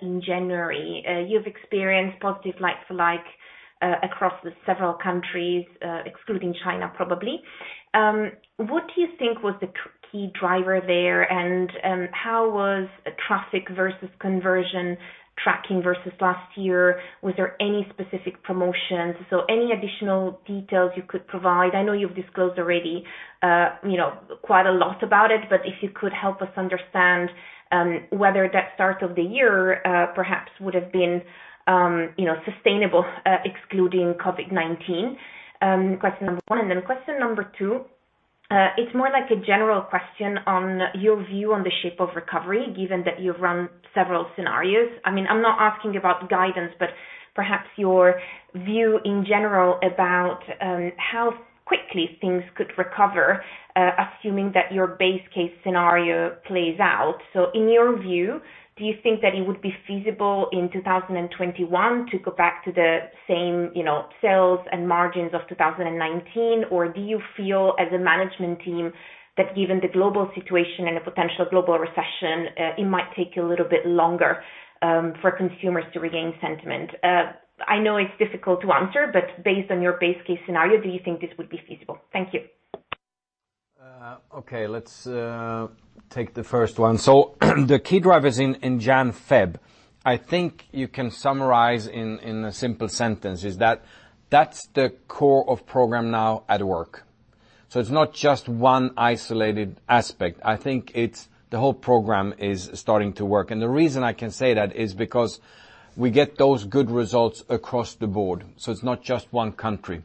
in January. You've experienced positive like-for-like, across the several countries, excluding China, probably. What do you think was the key driver there? How was traffic versus conversion tracking versus last year? Was there any specific promotions? Any additional details you could provide? I know you've disclosed already quite a lot about it, if you could help us understand whether that start of the year perhaps would've been sustainable excluding COVID-19. Question number one. Question number two, it's more like a general question on your view on the shape of recovery, given that you've run several scenarios. I'm not asking about guidance, but perhaps your view in general about how quickly things could recover, assuming that your base case scenario plays out. In your view, do you think that it would be feasible in 2021 to go back to the same sales and margins of 2019? Or do you feel as a management team that given the global situation and the potential global recession, it might take you a little bit longer for consumers to regain sentiment? I know it's difficult to answer, but based on your base case scenario, do you think this would be feasible? Thank you. Okay, let's take the first one. The key drivers in Jan, Feb, I think you can summarize in a simple sentence, is that that's the core of Programme NOW at work. It's not just one isolated aspect. I think it's the whole program is starting to work. The reason I can say that is because we get those good results across the board. It's not just one country.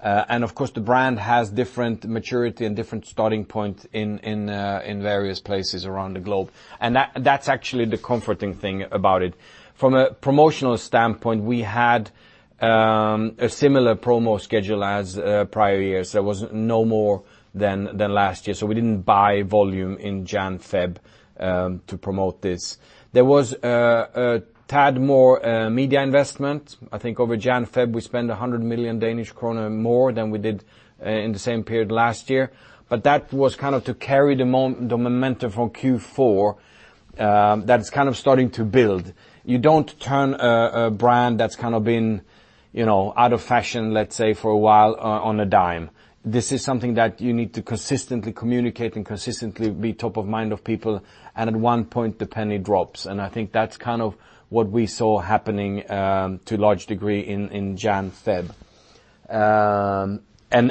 Of course, the brand has different maturity and different starting points in various places around the globe. That's actually the comforting thing about it. From a promotional standpoint, we had a similar promo schedule as prior years. There was no more than last year. We didn't buy volume in Jan, Feb to promote this. There was a tad more media investment. I think over Jan, Feb, we spent 100 million Danish kroner more than we did in the same period last year, but that was to carry the momentum from Q4 that's kind of starting to build. You don't turn a brand that's kind of been out of fashion, let's say, for a while on a dime. This is something that you need to consistently communicate and consistently be top of mind of people, and at one point, the penny drops. I think that's kind of what we saw happening to large degree in Jan, Feb. In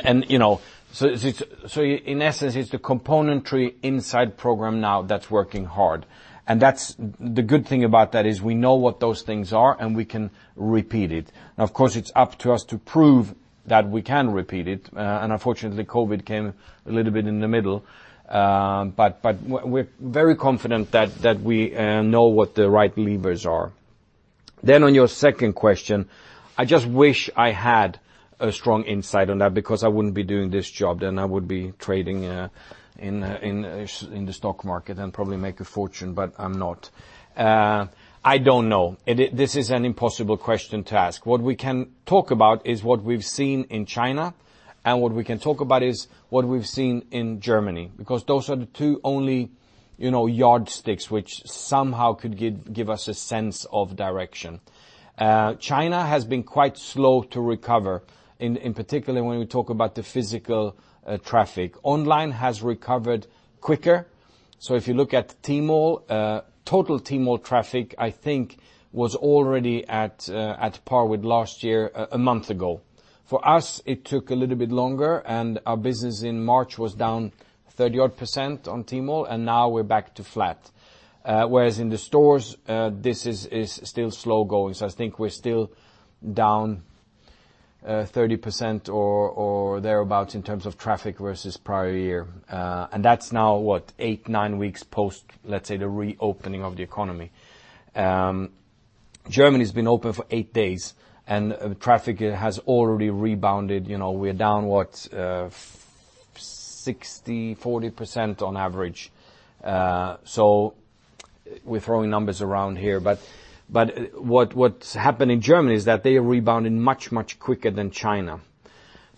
essence, it's the componentry inside Programme NOW that's working hard. The good thing about that is we know what those things are, and we can repeat it. Of course, it's up to us to prove that we can repeat it, and unfortunately, COVID came a little bit in the middle. We're very confident that we know what the right levers are. On your second question, I just wish I had a strong insight on that because I wouldn't be doing this job, then I would be trading in the stock market and probably make a fortune, but I'm not. I don't know. This is an impossible question to ask. What we can talk about is what we've seen in China, and what we can talk about is what we've seen in Germany, because those are the two only yardsticks which somehow could give us a sense of direction. China has been quite slow to recover, in particular, when we talk about the physical traffic. Online has recovered quicker. If you look at Tmall, total Tmall traffic, I think, was already at par with last year, a month ago. For us, it took a little bit longer, and our business in March was down 30-odd percent on Tmall, and now we're back to flat. Whereas in the stores, this is still slow going. I think we're still down 30% or thereabout in terms of traffic versus prior year. That's now what? Eight, nine weeks post, let's say, the reopening of the economy. Germany's been open for eight days and traffic has already rebounded. We're down, what? 60%, 40% on average. We're throwing numbers around here, but what's happened in Germany is that they are rebounding much, much quicker than China.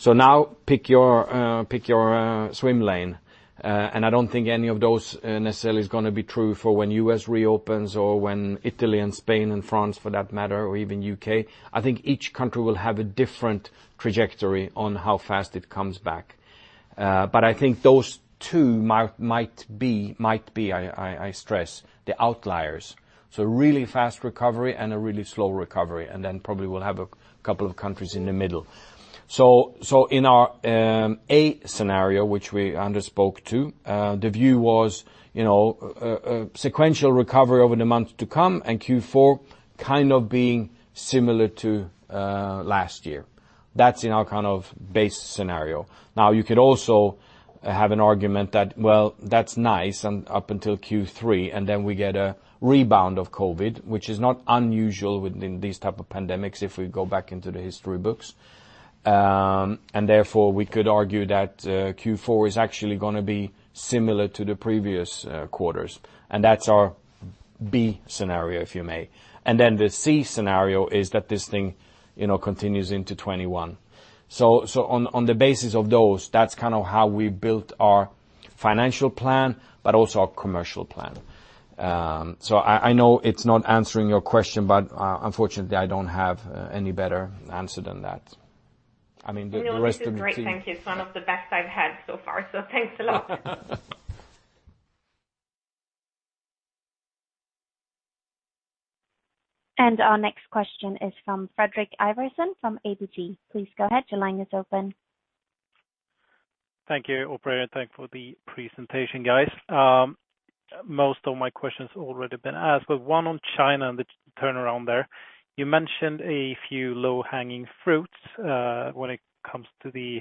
Now pick your swim lane, and I don't think any of those necessarily is going to be true for when U.S. reopens or when Italy and Spain and France, for that matter, or even U.K. I think each country will have a different trajectory on how fast it comes back. I think those two might be, I stress, the outliers. Really fast recovery and a really slow recovery, and then probably we'll have a couple of countries in the middle. In our A scenario, which we underspoke to, the view was a sequential recovery over the months to come and Q4 kind of being similar to last year. That's in our kind of base scenario. You could also have an argument that, well, that's nice and up until Q3, and then we get a rebound of COVID-19, which is not unusual within these type of pandemics if we go back into the history books. Therefore, we could argue that Q4 is actually going to be similar to the previous quarters, and that's our B scenario, if you may. Then the C scenario is that this thing continues into 2021. On the basis of those, that's kind of how we built our financial plan, but also our commercial plan. I know it's not answering your question, but unfortunately, I don't have any better answer than that. No, this is great. Thank you. It's one of the best I've had so far, so thanks a lot. Our next question is from Fredrik Ivarsson from ABG. Please go ahead, your line is open. Thank you, operator. Thank you for the presentation, guys. Most of my questions already been asked, but one on China and the turnaround there. You mentioned a few low-hanging fruits, when it comes to the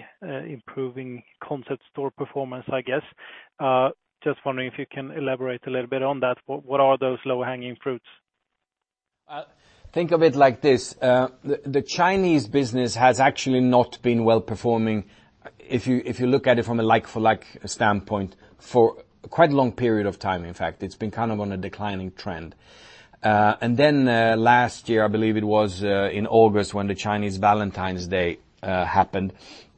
improving concept store performance, I guess. Just wondering if you can elaborate a little bit on that. What are those low-hanging fruits? Think of it like this. The Chinese business has actually not been well-performing, if you look at it from a like-for-like standpoint for quite a long period of time, in fact. It's been kind of on a declining trend. Last year, I believe it was in August when the Chinese Valentine's Day happened,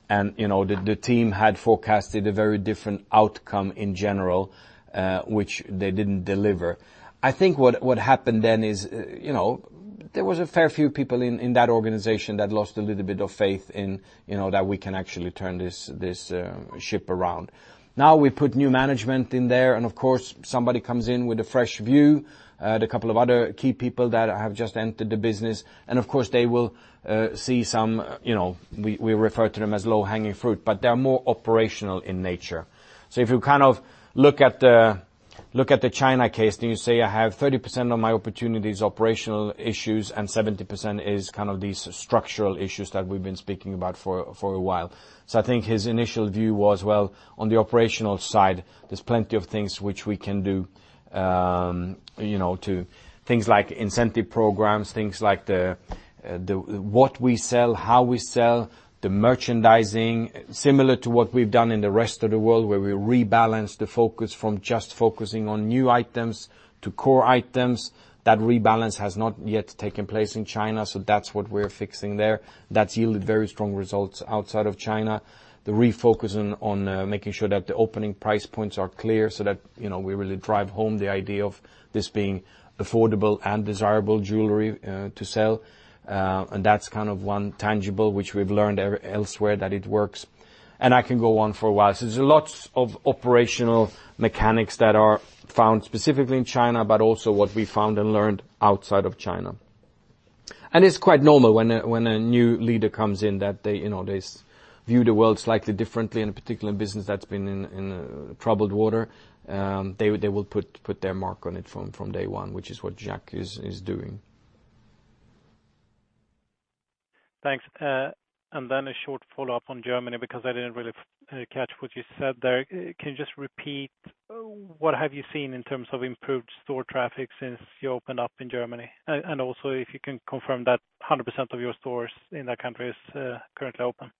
and the team had forecasted a very different outcome in general, which they didn't deliver. I think what happened then is, there was a fair few people in that organization that lost a little bit of faith in that we can actually turn this ship around. Now we put new management in there, and of course, somebody comes in with a fresh view, the couple of other key people that have just entered the business. Of course, they will see some, we refer to them as low-hanging fruit, but they're more operational in nature. If you kind of look at the China case, then you say, I have 30% of my opportunities, operational issues, and 70% is kind of these structural issues that we've been speaking about for a while. I think his initial view was, well, on the operational side, there's plenty of things which we can do, to things like incentive programs, things like what we sell, how we sell, the merchandising, similar to what we've done in the rest of the world, where we rebalance the focus from just focusing on new items to core items. That rebalance has not yet taken place in China, so that's what we're fixing there. That's yielded very strong results outside of China. The refocusing on making sure that the opening price points are clear so that we really drive home the idea of this being affordable and desirable jewelry to sell. That's kind of one tangible which we've learned elsewhere that it works. I can go on for a while. There's lots of operational mechanics that are found specifically in China, but also what we found and learned outside of China. It's quite normal when a new leader comes in that they view the world slightly differently, in a particular business that's been in troubled water. They will put their mark on it from day one, which is what Jack is doing. Thanks. A short follow-up on Germany, because I didn't really catch what you said there. Can you just repeat what have you seen in terms of improved store traffic since you opened up in Germany? And also, if you can confirm that 100% of your stores in that country is currently open.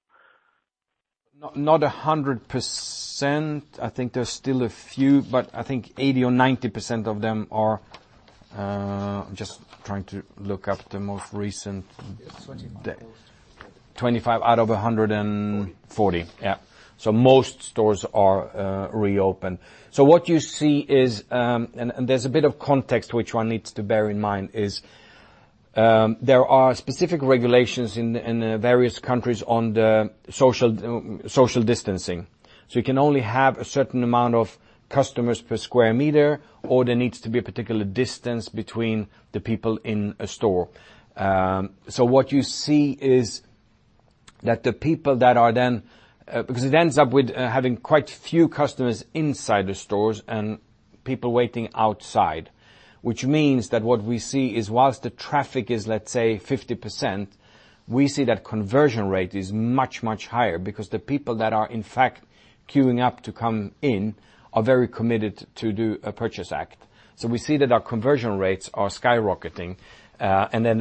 Not 100%. I think there's still a few, but I think 80% or 90% of them are. I'm just trying to look up the most recent. 25 out of 40. 25 out of 140. Yeah. Most stores are reopened. What you see is, and there's a bit of context which one needs to bear in mind, there are specific regulations in the various countries on the social distancing. You can only have a certain amount of customers per sq m, or there needs to be a particular distance between the people in a store. What you see is that it ends up with having quite a few customers inside the stores and people waiting outside. What we see is whilst the traffic is, let's say, 50%, we see that conversion rate is much, much higher because the people that are in fact queuing up to come in are very committed to do a purchase act. We see that our conversion rates are skyrocketing.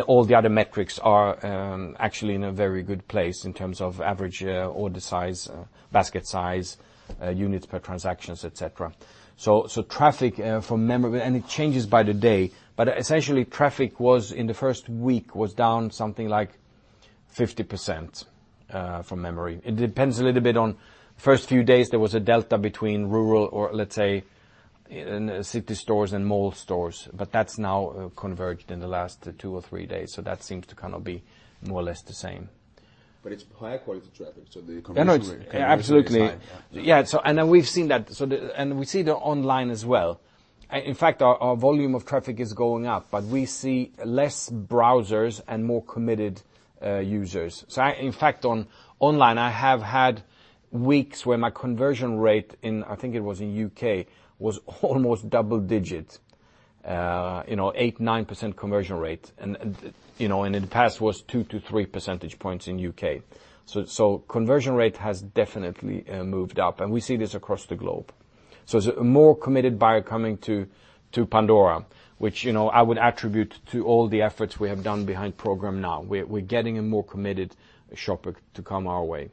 All the other metrics are actually in a very good place in terms of average order size, basket size, units per transactions, et cetera. Traffic from memory, and it changes by the day. Essentially, traffic was in the first week was down something like 50%, from memory. It depends a little bit on first few days, there was a delta between rural or let's say, city stores and mall stores, but that's now converged in the last two or three days. That seems to kind of be more or less the same. It's high quality traffic, so the conversion rate is fine. No, absolutely. Yeah. Yeah. We've seen that. We see the online as well. In fact, our volume of traffic is going up, but we see less browsers and more committed users. In fact, on online, I have had weeks where my conversion rate in, I think it was in the U.K., was almost double-digit, 8%, 9% conversion rate. In the past was two to three percentage points in the U.K. Conversion rate has definitely moved up, and we see this across the globe. It's a more committed buyer coming to Pandora, which I would attribute to all the efforts we have done behind Programme NOW. We're getting a more committed shopper to come our way.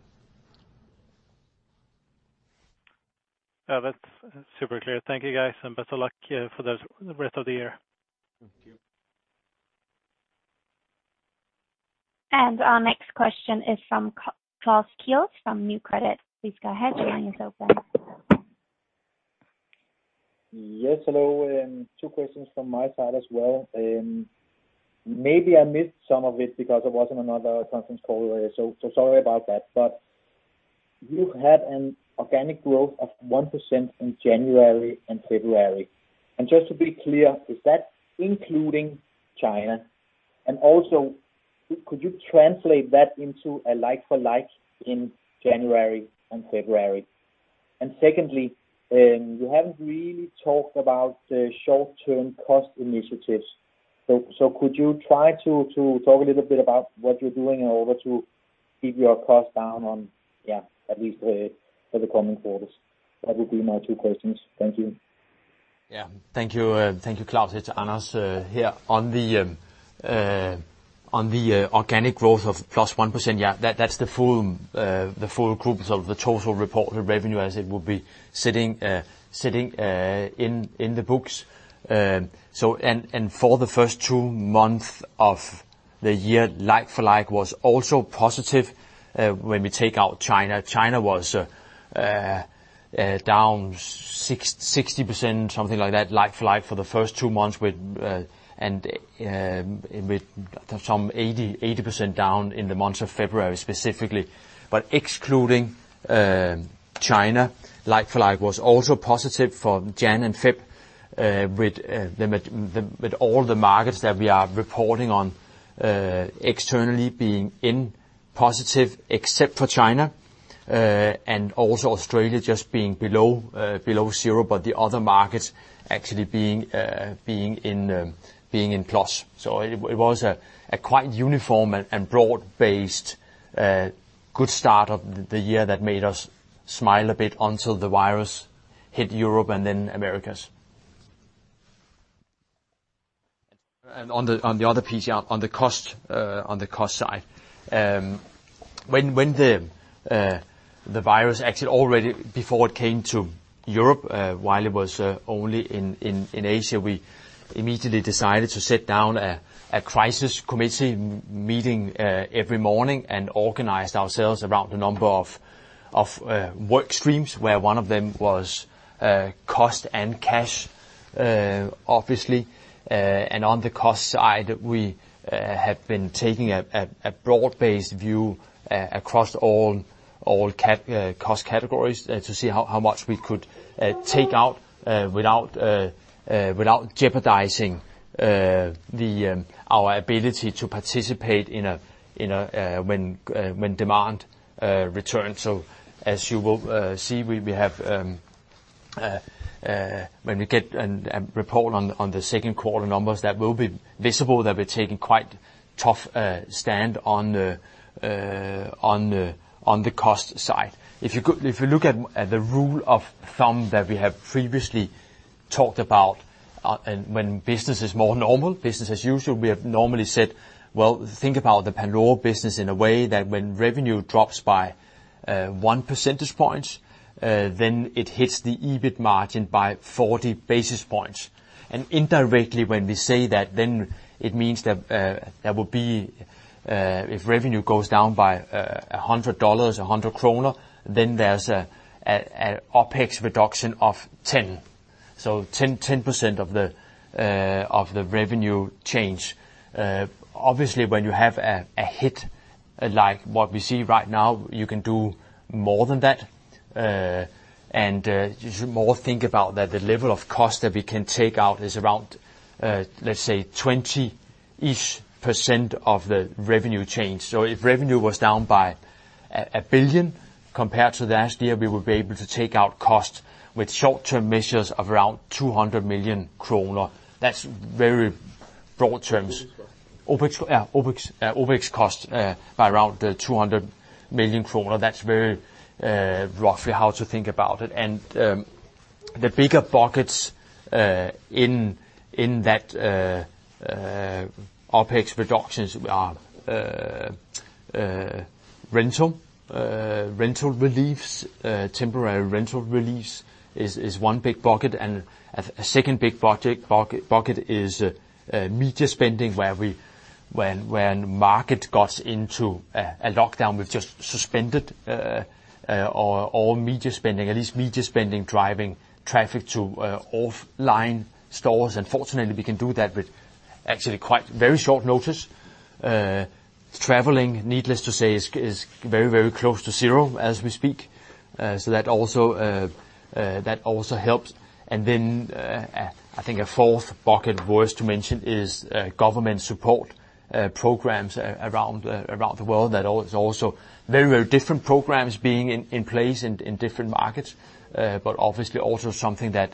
That's super clear. Thank you, guys, and best of luck for the rest of the year. Thank you. Our next question is from Claus Keuls from New Credit. Please go ahead. Your line is open. Yes, hello. Two questions from my side as well. Maybe I missed some of it because I was in another conference call earlier, so sorry about that. You had an organic growth of 1% in January and February. Just to be clear, is that including China? Also, could you translate that into a like-for-like in January and February? Secondly, you haven't really talked about the short-term cost initiatives. Could you try to talk a little bit about what you're doing in order to keep your cost down on at least for the coming quarters? That would be my two questions. Thank you. Yeah, thank you. Thank you, Claus. It's Anders here. On the organic growth of +1%, yeah, that's the full group. The total reported revenue as it will be sitting in the books. For the first two months of the year, like-for-like was also positive, when we take out China. China was down 60%, something like that, like-for-like for the first two months, and with some 80% down in the month of February specifically. Excluding China, like-for-like was also positive for January and February, with all the markets that we are reporting on externally being in positive except for China. Also Australia just being below zero, but the other markets actually being in plus. It was a quite uniform and broad-based good start of the year that made us smile a bit until the virus hit Europe and then Americas. On the other piece, on the cost side. When the virus actually already before it came to Europe, while it was only in Asia, we immediately decided to sit down a crisis committee meeting every morning and organized ourselves around a number of work streams where one of them was cost and cash, obviously. On the cost side, we have been taking a broad-based view across all cost categories to see how much we could take out without jeopardizing. our ability to participate when demand returns. As you will see, when we get a report on the second quarter numbers, that will be visible that we're taking quite tough stand on the cost side. If you look at the rule of thumb that we have previously talked about when business is more normal, business as usual, we have normally said, well, think about the Pandora business in a way that when revenue drops by one percentage point, then it hits the EBIT margin by 40 basis points. Indirectly when we say that, then it means that if revenue goes down by DKK 100, 100 kroner, then there's an OpEx reduction of 10. 10% of the revenue change. Obviously, when you have a hit like what we see right now, you can do more than that. You should more think about that the level of cost that we can take out is around, let's say, 20-ish% of the revenue change. If revenue was down by 1 billion compared to last year, we would be able to take out cost with short-term measures of around 200 million kroner. That's very broad terms. OpEx cost? Yeah. OpEx cost by around DKK 200 million. That's very roughly how to think about it. The bigger buckets in that OpEx reductions are rental reliefs. Temporary rental reliefs is one big bucket, and a second big bucket is media spending, when market got into a lockdown, we've just suspended all media spending, at least media spending driving traffic to offline stores. Fortunately, we can do that with actually quite very short notice. Traveling, needless to say, is very, very close to zero as we speak. That also helps. I think a fourth bucket, Boris, to mention is government support programs around the world. That is also very, very different programs being in place in different markets. Obviously also something that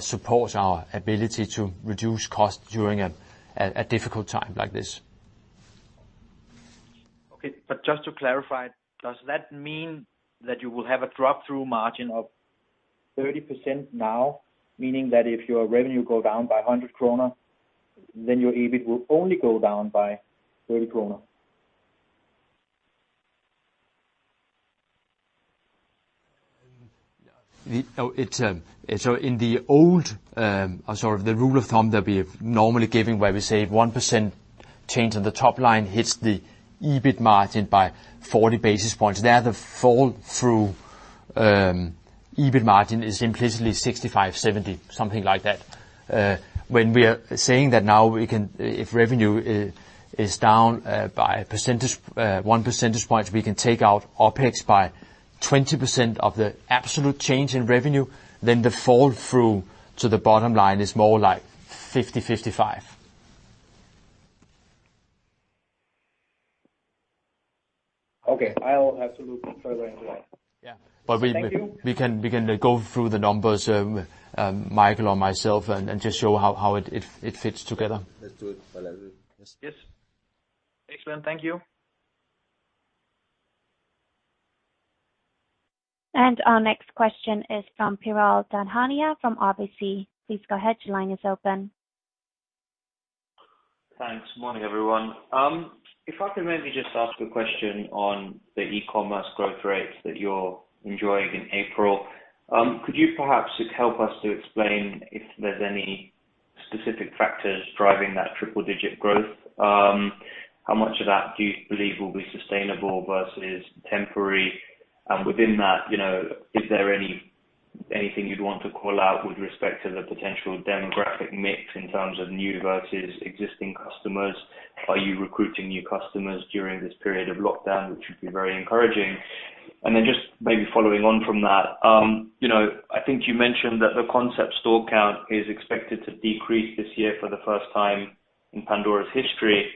supports our ability to reduce cost during a difficult time like this. Okay. Just to clarify, does that mean that you will have a drop-through margin of 30% now? Meaning that if your revenue go down by 100 krone, then your EBIT will only go down by 30 krone. In the old sort of the rule of thumb that we have normally given where we say 1% change on the top line hits the EBIT margin by 40 basis points, there, the fall-through EBIT margin is implicitly 65%, 70%, something like that. We are saying that now if revenue is down by one percentage point, we can take out OpEx by 20% of the absolute change in revenue, then the fall-through to the bottom line is more like 50%, 55%. Okay. I'll have to look further into that. Yeah. Thank you. We can go through the numbers, Michael or myself, and just show how it fits together. Let's do it. Yes. Excellent. Thank you. Our next question is from Piral Dadhania from RBC. Please go ahead, your line is open. Thanks. Morning, everyone. If I could maybe just ask a question on the e-commerce growth rate that you're enjoying in April. Could you perhaps help us to explain if there's any specific factors driving that triple digit growth? How much of that do you believe will be sustainable versus temporary? Within that, is there anything you'd want to call out with respect to the potential demographic mix in terms of new versus existing customers? Are you recruiting new customers during this period of lockdown, which would be very encouraging? Just maybe following on from that, I think you mentioned that the concept store count is expected to decrease this year for the first time in Pandora's history.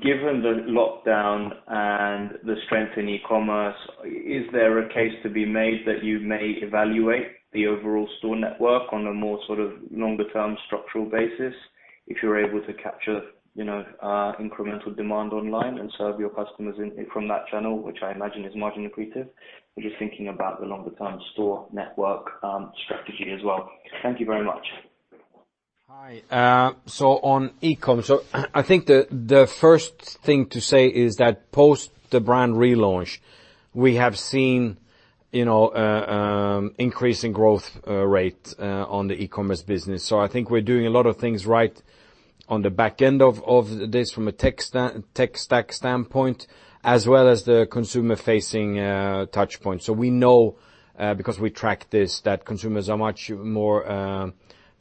Given the lockdown and the strength in e-commerce, is there a case to be made that you may evaluate the overall store network on a more sort of longer term structural basis if you're able to capture incremental demand online and serve your customers from that channel, which I imagine is margin accretive? Are you thinking about the longer term store network strategy as well? Thank you very much. Hi. On e-com. I think the first thing to say is that post the brand relaunch, we have seen increase in growth rate on the e-commerce business. I think we're doing a lot of things right on the back end of this from a tech stack standpoint, as well as the consumer-facing touchpoint. We know, because we track this, that consumers are much more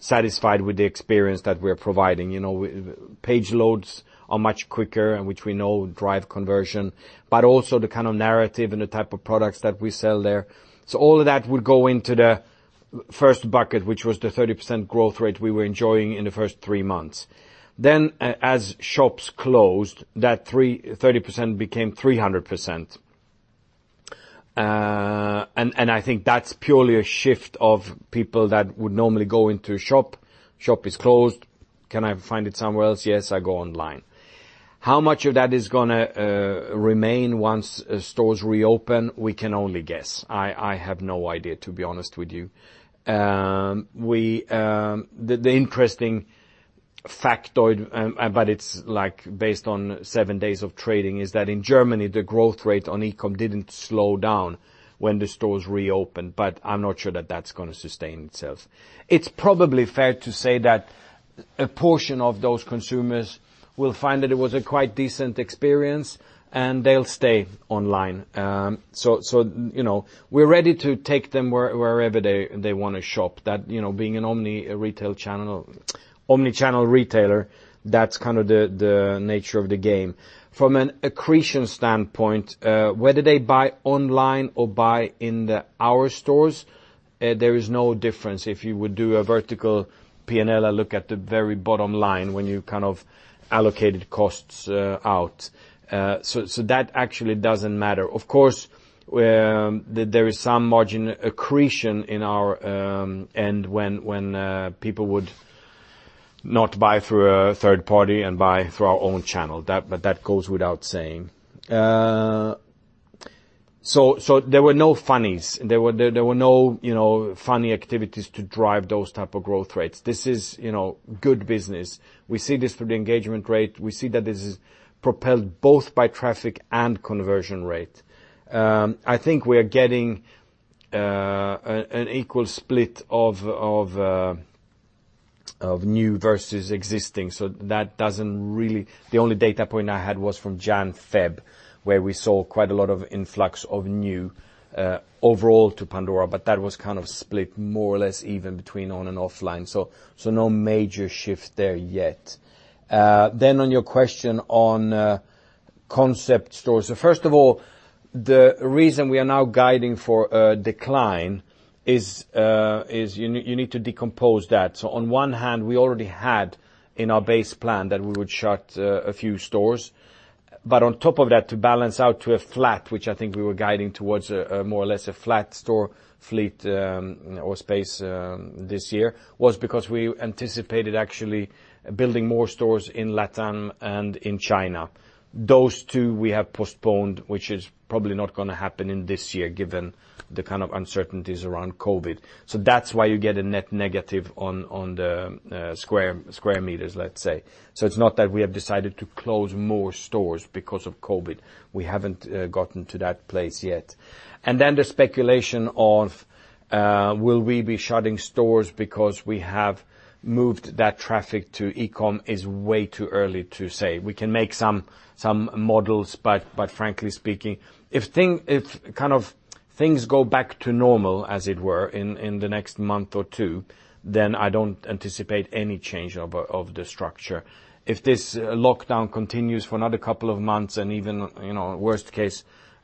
satisfied with the experience that we're providing. Page loads are much quicker, and which we know drive conversion, but also the kind of narrative and the type of products that we sell there. All of that will go into the First bucket, which was the 30% growth rate we were enjoying in the first three months. As shops closed, that 30% became 300%. I think that's purely a shift of people that would normally go into a shop. Shop is closed, can I find it somewhere else? Yes, I go online. How much of that is going to remain once stores reopen? We can only guess. I have no idea, to be honest with you. The interesting factoid, but it's based on seven days of trading, is that in Germany, the growth rate on e-com didn't slow down when the stores reopened. I'm not sure that that's going to sustain itself. It's probably fair to say that a portion of those consumers will find that it was a quite decent experience and they'll stay online. We're ready to take them wherever they want to shop. Being an omni-channel retailer, that's kind of the nature of the game. From an accretion standpoint, whether they buy online or buy in our stores, there is no difference if you would do a vertical P&L look at the very bottom line when you kind of allocated costs out. That actually doesn't matter. Of course, there is some margin accretion in our end when people would not buy through a third party and buy through our own channel. That goes without saying. There were no funnies. There were no funny activities to drive those type of growth rates. This is good business. We see this through the engagement rate. We see that this is propelled both by traffic and conversion rate. I think we are getting an equal split of new versus existing. The only data point I had was from Jan, Feb, where we saw quite a lot of influx of new overall to Pandora, but that was kind of split more or less even between on and offline. No major shift there yet. On your question on concept stores. First of all, the reason we are now guiding for a decline is you need to decompose that. On one hand, we already had in our base plan that we would shut a few stores. On top of that, to balance out to a flat, which I think we were guiding towards a more or less a flat store fleet or space this year, was because we anticipated actually building more stores in LATAM and in China. Those two we have postponed, which is probably not going to happen in this year given the kind of uncertainties around COVID. That's why you get a net negative on the square meters, let's say. It's not that we have decided to close more stores because of COVID. We haven't gotten to that place yet. The speculation of will we be shutting stores because we have moved that traffic to e-com is way too early to say. We can make some models, frankly speaking, if things go back to normal, as it were, in the next month or two, then I don't anticipate any change of the structure. If this lockdown continues for another couple of months and even, worst case,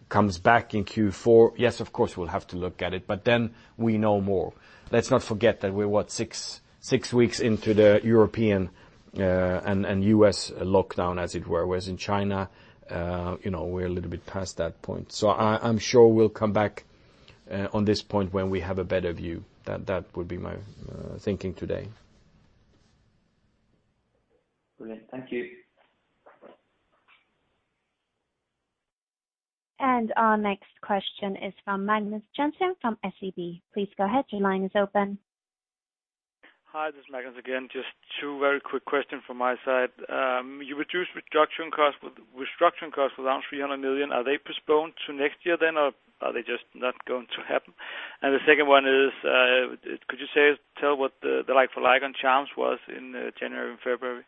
comes back in Q4, yes, of course we'll have to look at it, we know more. Let's not forget that we're, what, six weeks into the European and U.S. lockdown, as it were. In China we're a little bit past that point. I'm sure we'll come back on this point when we have a better view. That would be my thinking today. Brilliant. Thank you. Our next question is from Magnus Jonsson from SEB. Please go ahead. Your line is open. Hi, this is Magnus again. Just two very quick question from my side. You reduced restructuring costs around 300 million. Are they postponed to next year then? Are they just not going to happen? The second one is, could you tell what the like-for-like on charms was in January and February?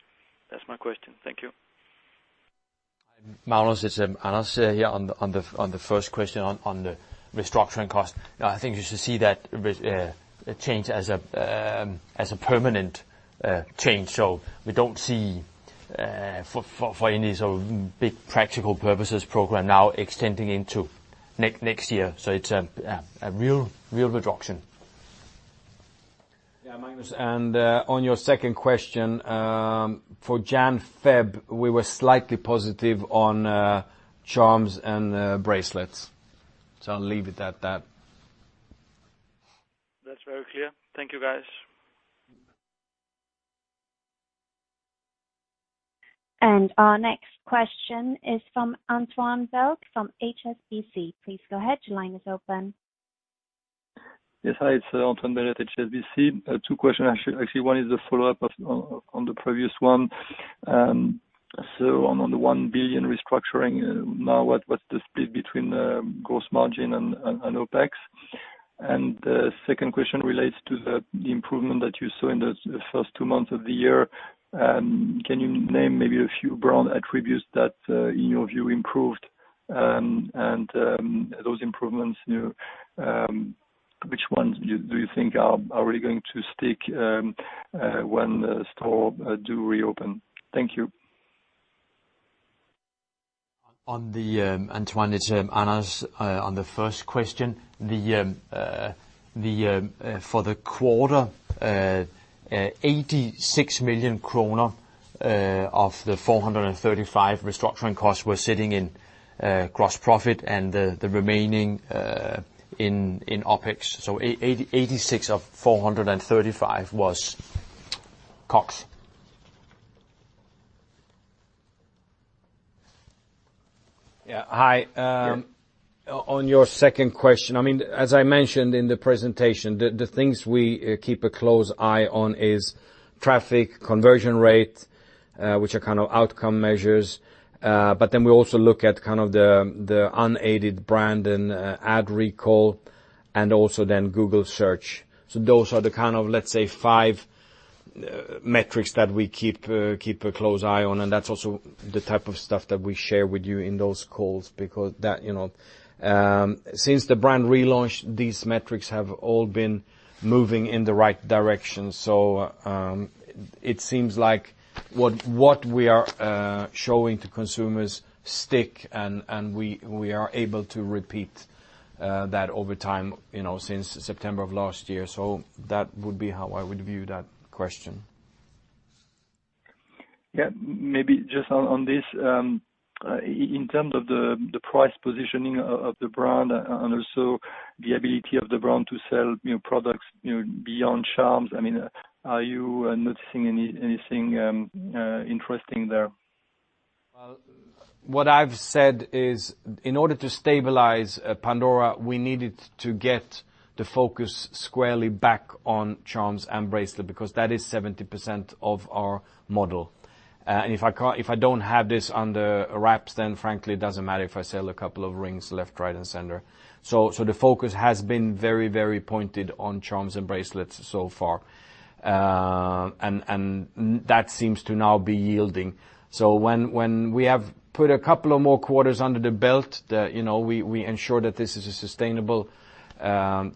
That's my question. Thank you. Magnus, it's Anders here on the first question on the restructuring cost. I think you should see that change as a permanent change. We don't see, for any sort of big practical purposes, Programme NOW extending into next year. It's a real reduction. Yeah, Magnus, on your second question, for January, February, we were slightly positive on charms and bracelets. I'll leave it at that. That's very clear. Thank you, guys. Our next question is from Antoine Belge from HSBC. Please go ahead. Your line is open. Yes. Hi, it's Antoine Belge at HSBC. Two question actually. One is a follow-up on the previous one. On the 1 billion restructuring now, what's the split between gross margin and OpEx? The second question relates to the improvement that you saw in the first two months of the year. Can you name maybe a few brand attributes that, in your view, improved? Those improvements, which ones do you think are really going to stick when stores do reopen? Thank you. Antoine, it's Anders on the first question. For the quarter, 86 million kroner of the 435 restructuring costs were sitting in gross profit and the remaining in OpEx. 86 of 435 was COGS. Yeah. Hi. Yeah. On your second question, as I mentioned in the presentation, the things we keep a close eye on is traffic, conversion rate, which are kind of outcome measures. We also look at the unaided brand and ad recall and also then Google Search. Those are the kind of, let's say, five metrics that we keep a close eye on, and that's also the type of stuff that we share with you in those calls because that, since the brand relaunched, these metrics have all been moving in the right direction. It seems like what we are showing to consumers stick and we are able to repeat that over time, since September of last year. That would be how I would view that question. Yeah. Maybe just on this, in terms of the price positioning of the brand and also the ability of the brand to sell new products beyond charms, are you noticing anything interesting there? What I've said is, in order to stabilize Pandora, we needed to get the focus squarely back on charms and bracelet, because that is 70% of our model. If I don't have this under wraps, then frankly, it doesn't matter if I sell a couple of rings left, right, and center. The focus has been very pointed on charms and bracelets so far. That seems to now be yielding. When we have put a couple of more quarters under the belt, we ensure that this is a sustainable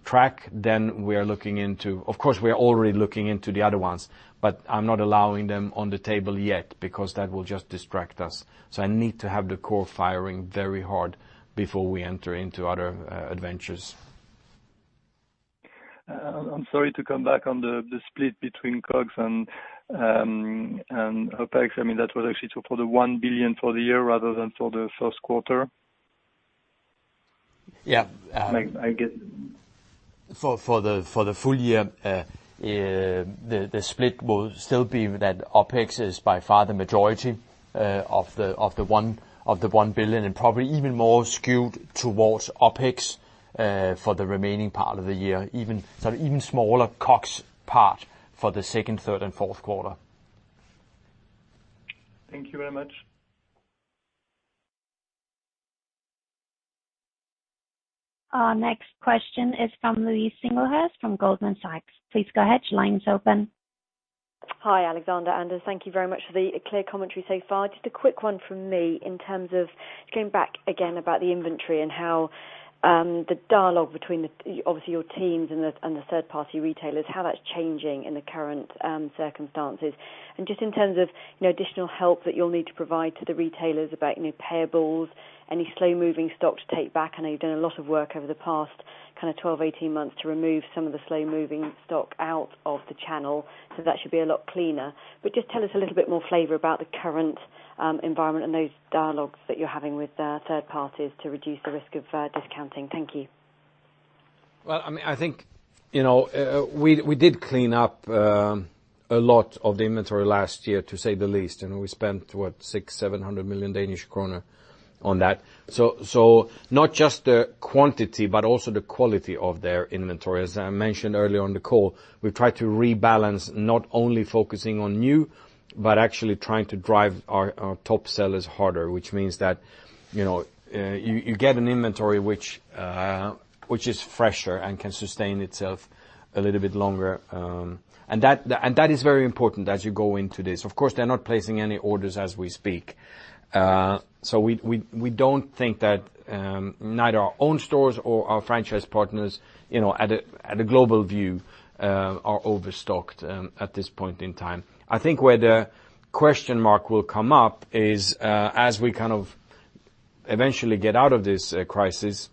track, then we are looking into, of course, we are already looking into the other ones, but I'm not allowing them on the table yet because that will just distract us. I need to have the core firing very hard before we enter into other adventures. I'm sorry to come back on the split between COGS and OpEx. That was actually for the 1 billion for the year rather than for the first quarter? Yeah. I get. For the full year, the split will still be that OpEx is by far the majority of the 1 billion, and probably even more skewed towards OpEx, for the remaining part of the year. Even smaller COGS part for the second, third, and fourth quarter. Thank you very much. Our next question is from Louise Singlehurst from Goldman Sachs. Please go ahead, your line's open. Hi, Alexander and Anders. Thank you very much for the clear commentary so far. Just a quick one from me in terms of going back again about the inventory and how the dialogue between obviously your teams and the third-party retailers, how that's changing in the current circumstances. Just in terms of additional help that you'll need to provide to the retailers about new payables, any slow-moving stock to take back. I know you've done a lot of work over the past 12, 18 months to remove some of the slow-moving stock out of the channel, so that should be a lot cleaner. Just tell us a little bit more flavor about the current environment and those dialogues that you're having with third parties to reduce the risk of discounting. Thank you. Well, I think, we did clean up a lot of the inventory last year, to say the least. We spent, what, six, 700 million Danish kroner on that. Not just the quantity, but also the quality of their inventory. As I mentioned earlier on the call, we've tried to rebalance not only focusing on new, but actually trying to drive our top sellers harder, which means that you get an inventory which is fresher and can sustain itself a little bit longer. That is very important as you go into this. Of course, they're not placing any orders as we speak. We don't think that, neither our own stores or our franchise partners, at a global view, are overstocked at this point in time. I think where the question mark will come up is, as we kind of eventually get out of this crisis,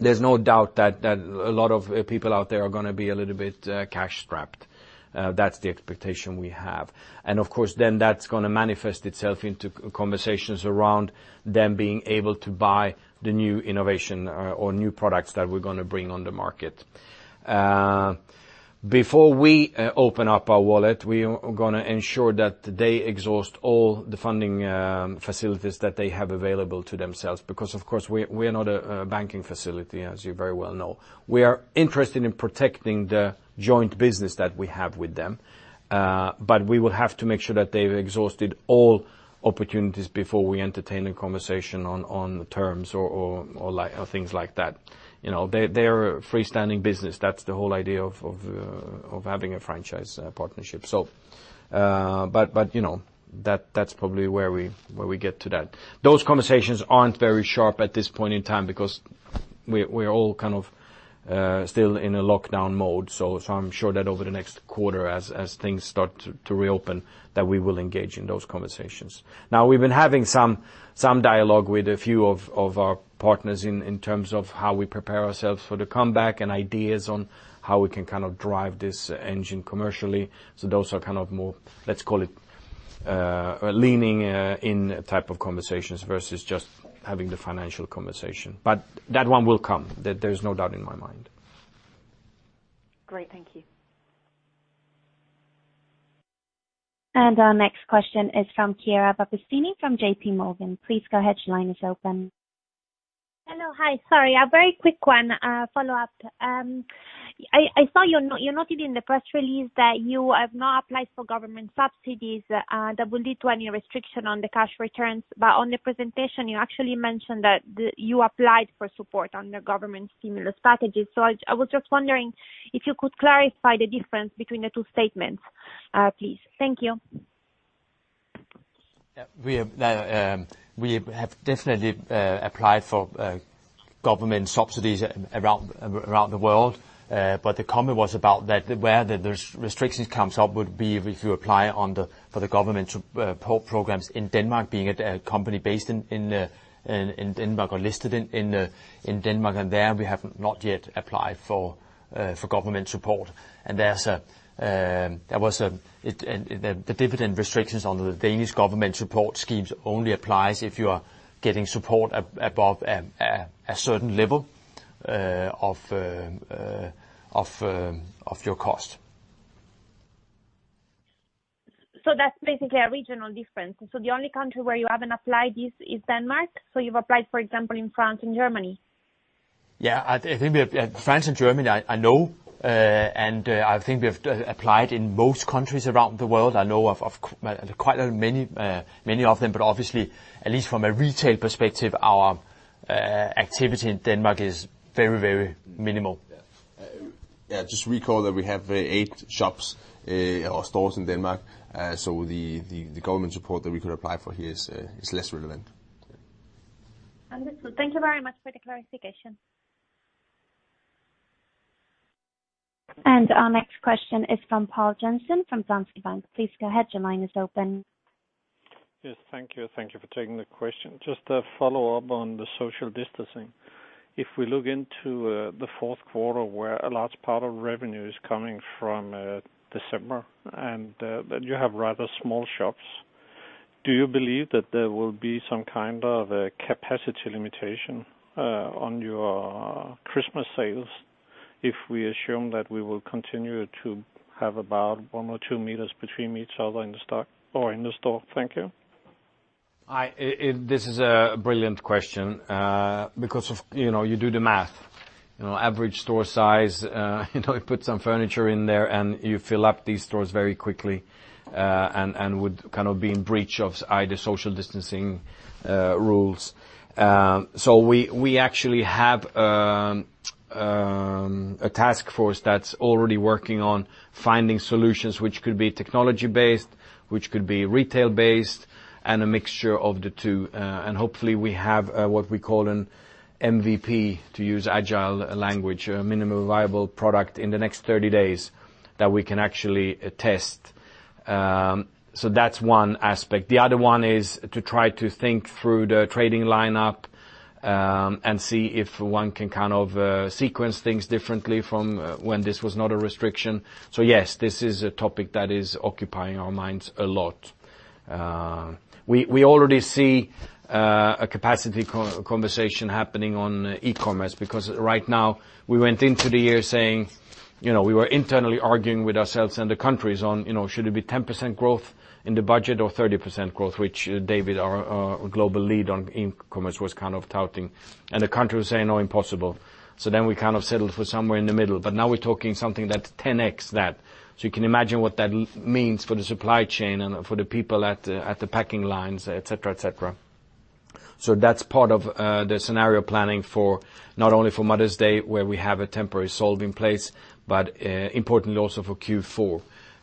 there's no doubt that a lot of people out there are going to be a little bit cash-strapped. That's the expectation we have. Of course, then that's going to manifest itself into conversations around them being able to buy the new innovation or new products that we're going to bring on the market. Before we open up our wallet, we are going to ensure that they exhaust all the funding facilities that they have available to themselves because, of course, we are not a banking facility, as you very well know. We are interested in protecting the joint business that we have with them. We will have to make sure that they've exhausted all opportunities before we entertain a conversation on terms or things like that. They're a freestanding business. That's the whole idea of having a franchise partnership. That's probably where we get to that. Those conversations aren't very sharp at this point in time because We're all kind of still in a lockdown mode. I'm sure that over the next quarter, as things start to reopen, that we will engage in those conversations. We've been having some dialogue with a few of our partners in terms of how we prepare ourselves for the comeback and ideas on how we can kind of drive this engine commercially. Those are kind of more, let's call it, leaning in type of conversations versus just having the financial conversation. That one will come. There's no doubt in my mind. Great. Thank you. Our next question is from Chiara Battistini from J.P. Morgan. Please go ahead. Your line is open. Hello. Hi. Sorry, a very quick one, a follow-up. I saw you noted in the press release that you have not applied for government subsidies that will lead to any restriction on the cash returns. On the presentation, you actually mentioned that you applied for support on the government stimulus packages. I was just wondering if you could clarify the difference between the two statements, please. Thank you. Yeah. We have definitely applied for government subsidies around the world. The comment was about that where the restrictions comes up would be if you apply for the government support programs in Denmark, being a company based in Denmark or listed in Denmark. There we have not yet applied for government support. The dividend restrictions on the Danish government support schemes only applies if you are getting support above a certain level of your cost. That's basically a regional difference. The only country where you haven't applied this is Denmark. You've applied, for example, in France and Germany? Yeah. I think France and Germany, I know, and I think we have applied in most countries around the world. I know of quite many of them, but obviously, at least from a retail perspective, our activity in Denmark is very minimal. Just recall that we have eight shops or stores in Denmark. The government support that we could apply for here is less relevant. Yeah. Wonderful. Thank you very much for the clarification. Our next question is from Poul Jensen from Danske Bank. Please go ahead. Your line is open. Yes. Thank you. Thank you for taking the question. Just a follow-up on the social distancing. If we look into the fourth quarter where a large part of revenue is coming from December, and that you have rather small shops, do you believe that there will be some kind of a capacity limitation on your Christmas sales if we assume that we will continue to have about one or two meters between each other in the store? Thank you. This is a brilliant question, because you do the math. Average store size, you put some furniture in there, and you fill up these stores very quickly and would kind of be in breach of either social distancing rules. We actually have a task force that's already working on finding solutions, which could be technology-based, which could be retail-based, and a mixture of the two. Hopefully we have what we call an MVP, to use agile language, a minimum viable product in the next 30 days that we can actually test. That's one aspect. The other one is to try to think through the trading lineup, and see if one can kind of sequence things differently from when this was not a restriction. Yes, this is a topic that is occupying our minds a lot. We already see a capacity conversation happening on e-commerce. Right now we went into the year saying, we were internally arguing with ourselves and the countries on, should it be 10% growth in the budget or 30% growth, which David, our global lead on e-commerce, was kind of touting. The country was saying, No, impossible. We kind of settled for somewhere in the middle. Now we're talking something that 10x that. You can imagine what that means for the supply chain and for the people at the packing lines, et cetera. That's part of the scenario planning for not only for Mother's Day, where we have a temporary solve in place, but importantly also for Q4.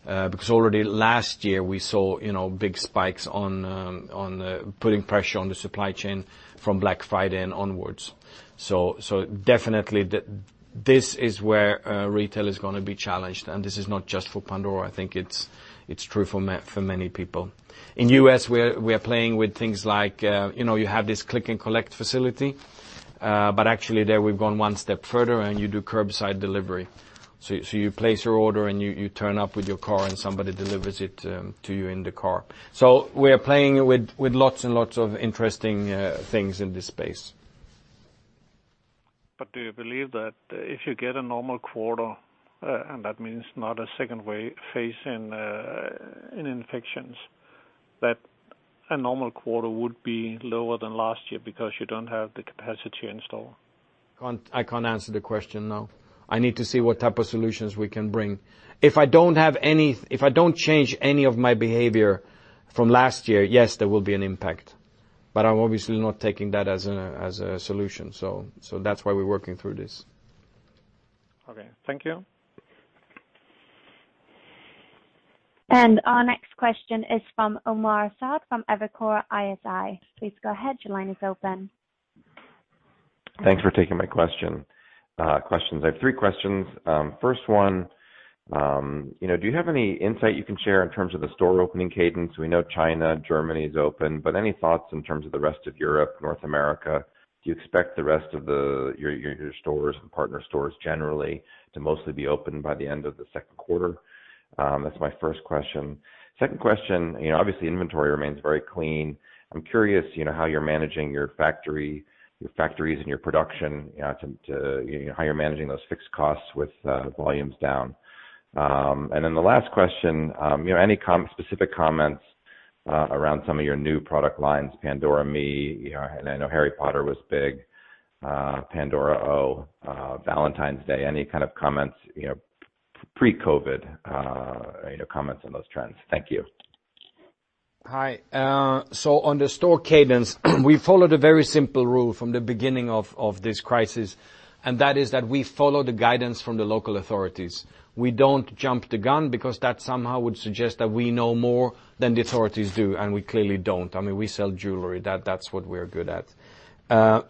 Already last year, we saw big spikes on putting pressure on the supply chain from Black Friday and onwards. Definitely this is where retail is going to be challenged, and this is not just for Pandora. I think it's true for many people. In U.S., we are playing with things like, you have this click and collect facility, but actually there we've gone one step further, and you do curbside delivery. You place your order, and you turn up with your car, and somebody delivers it to you in the car. We are playing with lots and lots of interesting things in this space. Do you believe that if you get a normal quarter, and that means not a second wave phase in infections, that a normal quarter would be lower than last year because you don't have the capacity in store? I can't answer the question, no. I need to see what type of solutions we can bring. If I don't change any of my behavior from last year, yes, there will be an impact, but I'm obviously not taking that as a solution. That's why we're working through this. Okay. Thank you. Our next question is from Omar Saad from Evercore ISI. Please go ahead. Your line is open. Thanks for taking my question. I have three questions. First one, do you have any insight you can share in terms of the store opening cadence? We know China, Germany is open. Any thoughts in terms of the rest of Europe, North America? Do you expect the rest of your stores and partner stores generally to mostly be open by the end of the second quarter? That's my first question. Second question, obviously inventory remains very clean. I'm curious how you're managing your factories and your production, how you're managing those fixed costs with volumes down. The last question, any specific comments around some of your new product lines, Pandora ME, and I know Harry Potter was big, Pandora O, Valentine's Day. Any kind of comments, pre-COVID comments on those trends? Thank you. Hi. On the store cadence, we followed a very simple rule from the beginning of this crisis, and that is that we follow the guidance from the local authorities. We don't jump the gun because that somehow would suggest that we know more than the authorities do, and we clearly don't. I mean, we sell jewelry. That's what we are good at. You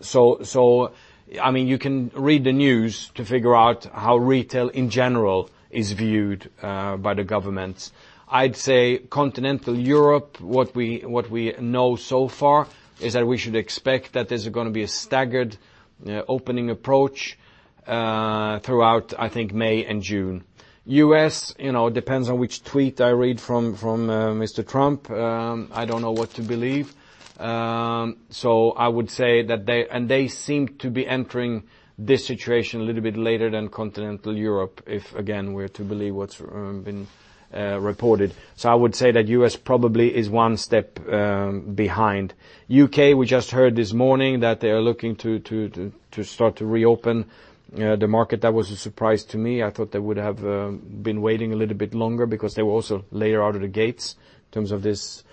can read the news to figure out how retail in general is viewed by the governments. I'd say continental Europe, what we know so far is that we should expect that there's going to be a staggered opening approach throughout, I think, May and June. U.S., it depends on which tweet I read from Mr. Trump. I don't know what to believe. I would say that they seem to be entering this situation a little bit later than continental Europe, if, again, we're to believe what's been reported. I would say that U.S. probably is one step behind. U.K., we just heard this morning that they are looking to start to reopen the market. That was a surprise to me. I thought they would have been waiting a little bit longer because they were also later out of the gates in terms of this.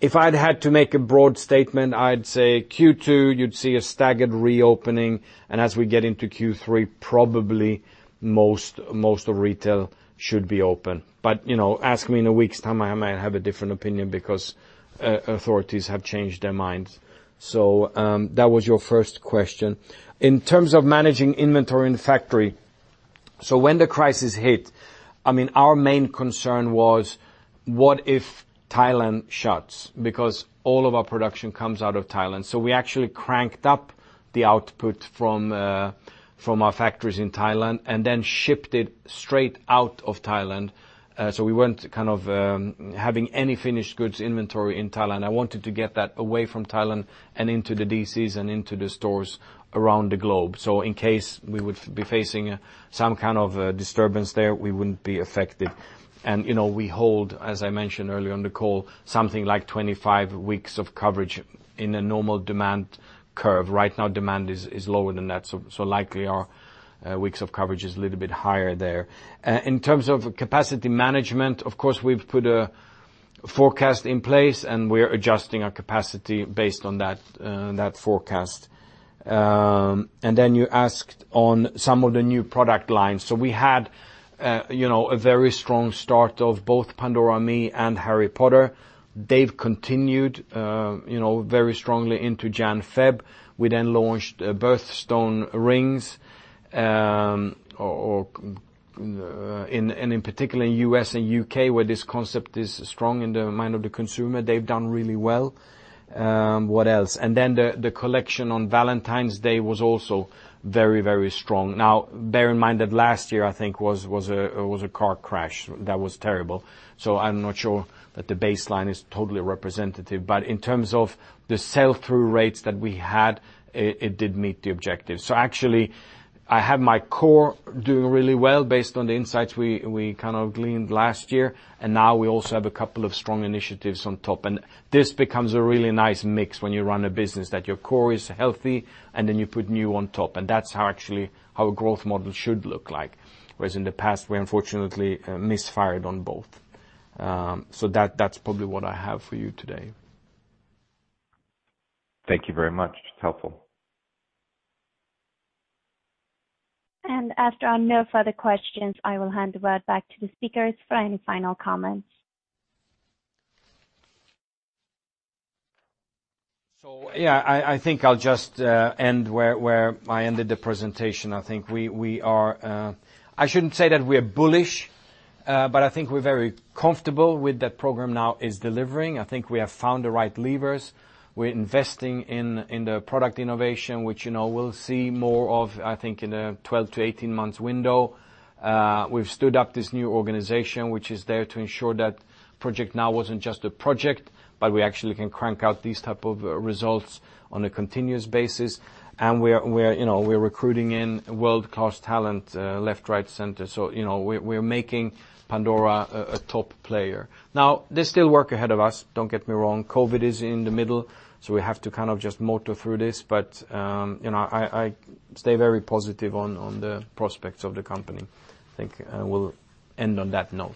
If I'd had to make a broad statement, I'd say Q2, you'd see a staggered reopening, and as we get into Q3, probably most of retail should be open. Ask me in a week's time, I might have a different opinion because authorities have changed their minds. That was your first question. In terms of managing inventory in the factory, when the crisis hit, our main concern was what if Thailand shuts? All of our production comes out of Thailand. We actually cranked up the output from our factories in Thailand and then shipped it straight out of Thailand. We weren't kind of having any finished goods inventory in Thailand. I wanted to get that away from Thailand and into the DCs and into the stores around the globe. In case we would be facing some kind of a disturbance there, we wouldn't be affected. We hold, as I mentioned earlier on the call, something like 25 weeks of coverage in a normal demand curve. Right now, demand is lower than that, so likely our weeks of coverage is a little bit higher there. In terms of capacity management, of course, we've put a forecast in place, and we're adjusting our capacity based on that forecast. You asked on some of the new product lines. We had a very strong start of both Pandora ME and Harry Potter. They've continued very strongly into January, February. We then launched birthstone rings, and in particular in U.S. and U.K., where this concept is strong in the mind of the consumer. They've done really well. What else? The collection on Valentine's Day was also very strong. Now, bear in mind that last year, I think, was a car crash that was terrible, so I'm not sure that the baseline is totally representative. In terms of the sell-through rates that we had, it did meet the objective. Actually, I have my core doing really well based on the insights we kind of gleaned last year, and now we also have a couple of strong initiatives on top. This becomes a really nice mix when you run a business that your core is healthy and then you put new on top. That's how actually our growth model should look like. Whereas in the past, we unfortunately misfired on both. That's probably what I have for you today. Thank you very much. It's helpful. After no further questions, I will hand it right back to the speakers for any final comments. Yeah, I think I'll just end where I ended the presentation. I shouldn't say that we're bullish, but I think we're very comfortable with that Programme NOW is delivering. I think we have found the right levers. We're investing in the product innovation, which we'll see more of, I think, in a 12 to 18 months window. We've stood up this new organization, which is there to ensure that Programme NOW wasn't just a project, but we actually can crank out these type of results on a continuous basis. We're recruiting in world-class talent, left, right, center. We're making Pandora a top player. There's still work ahead of us. Don't get me wrong. COVID is in the middle, so we have to kind of just motor through this. I stay very positive on the prospects of the company. I think I will end on that note.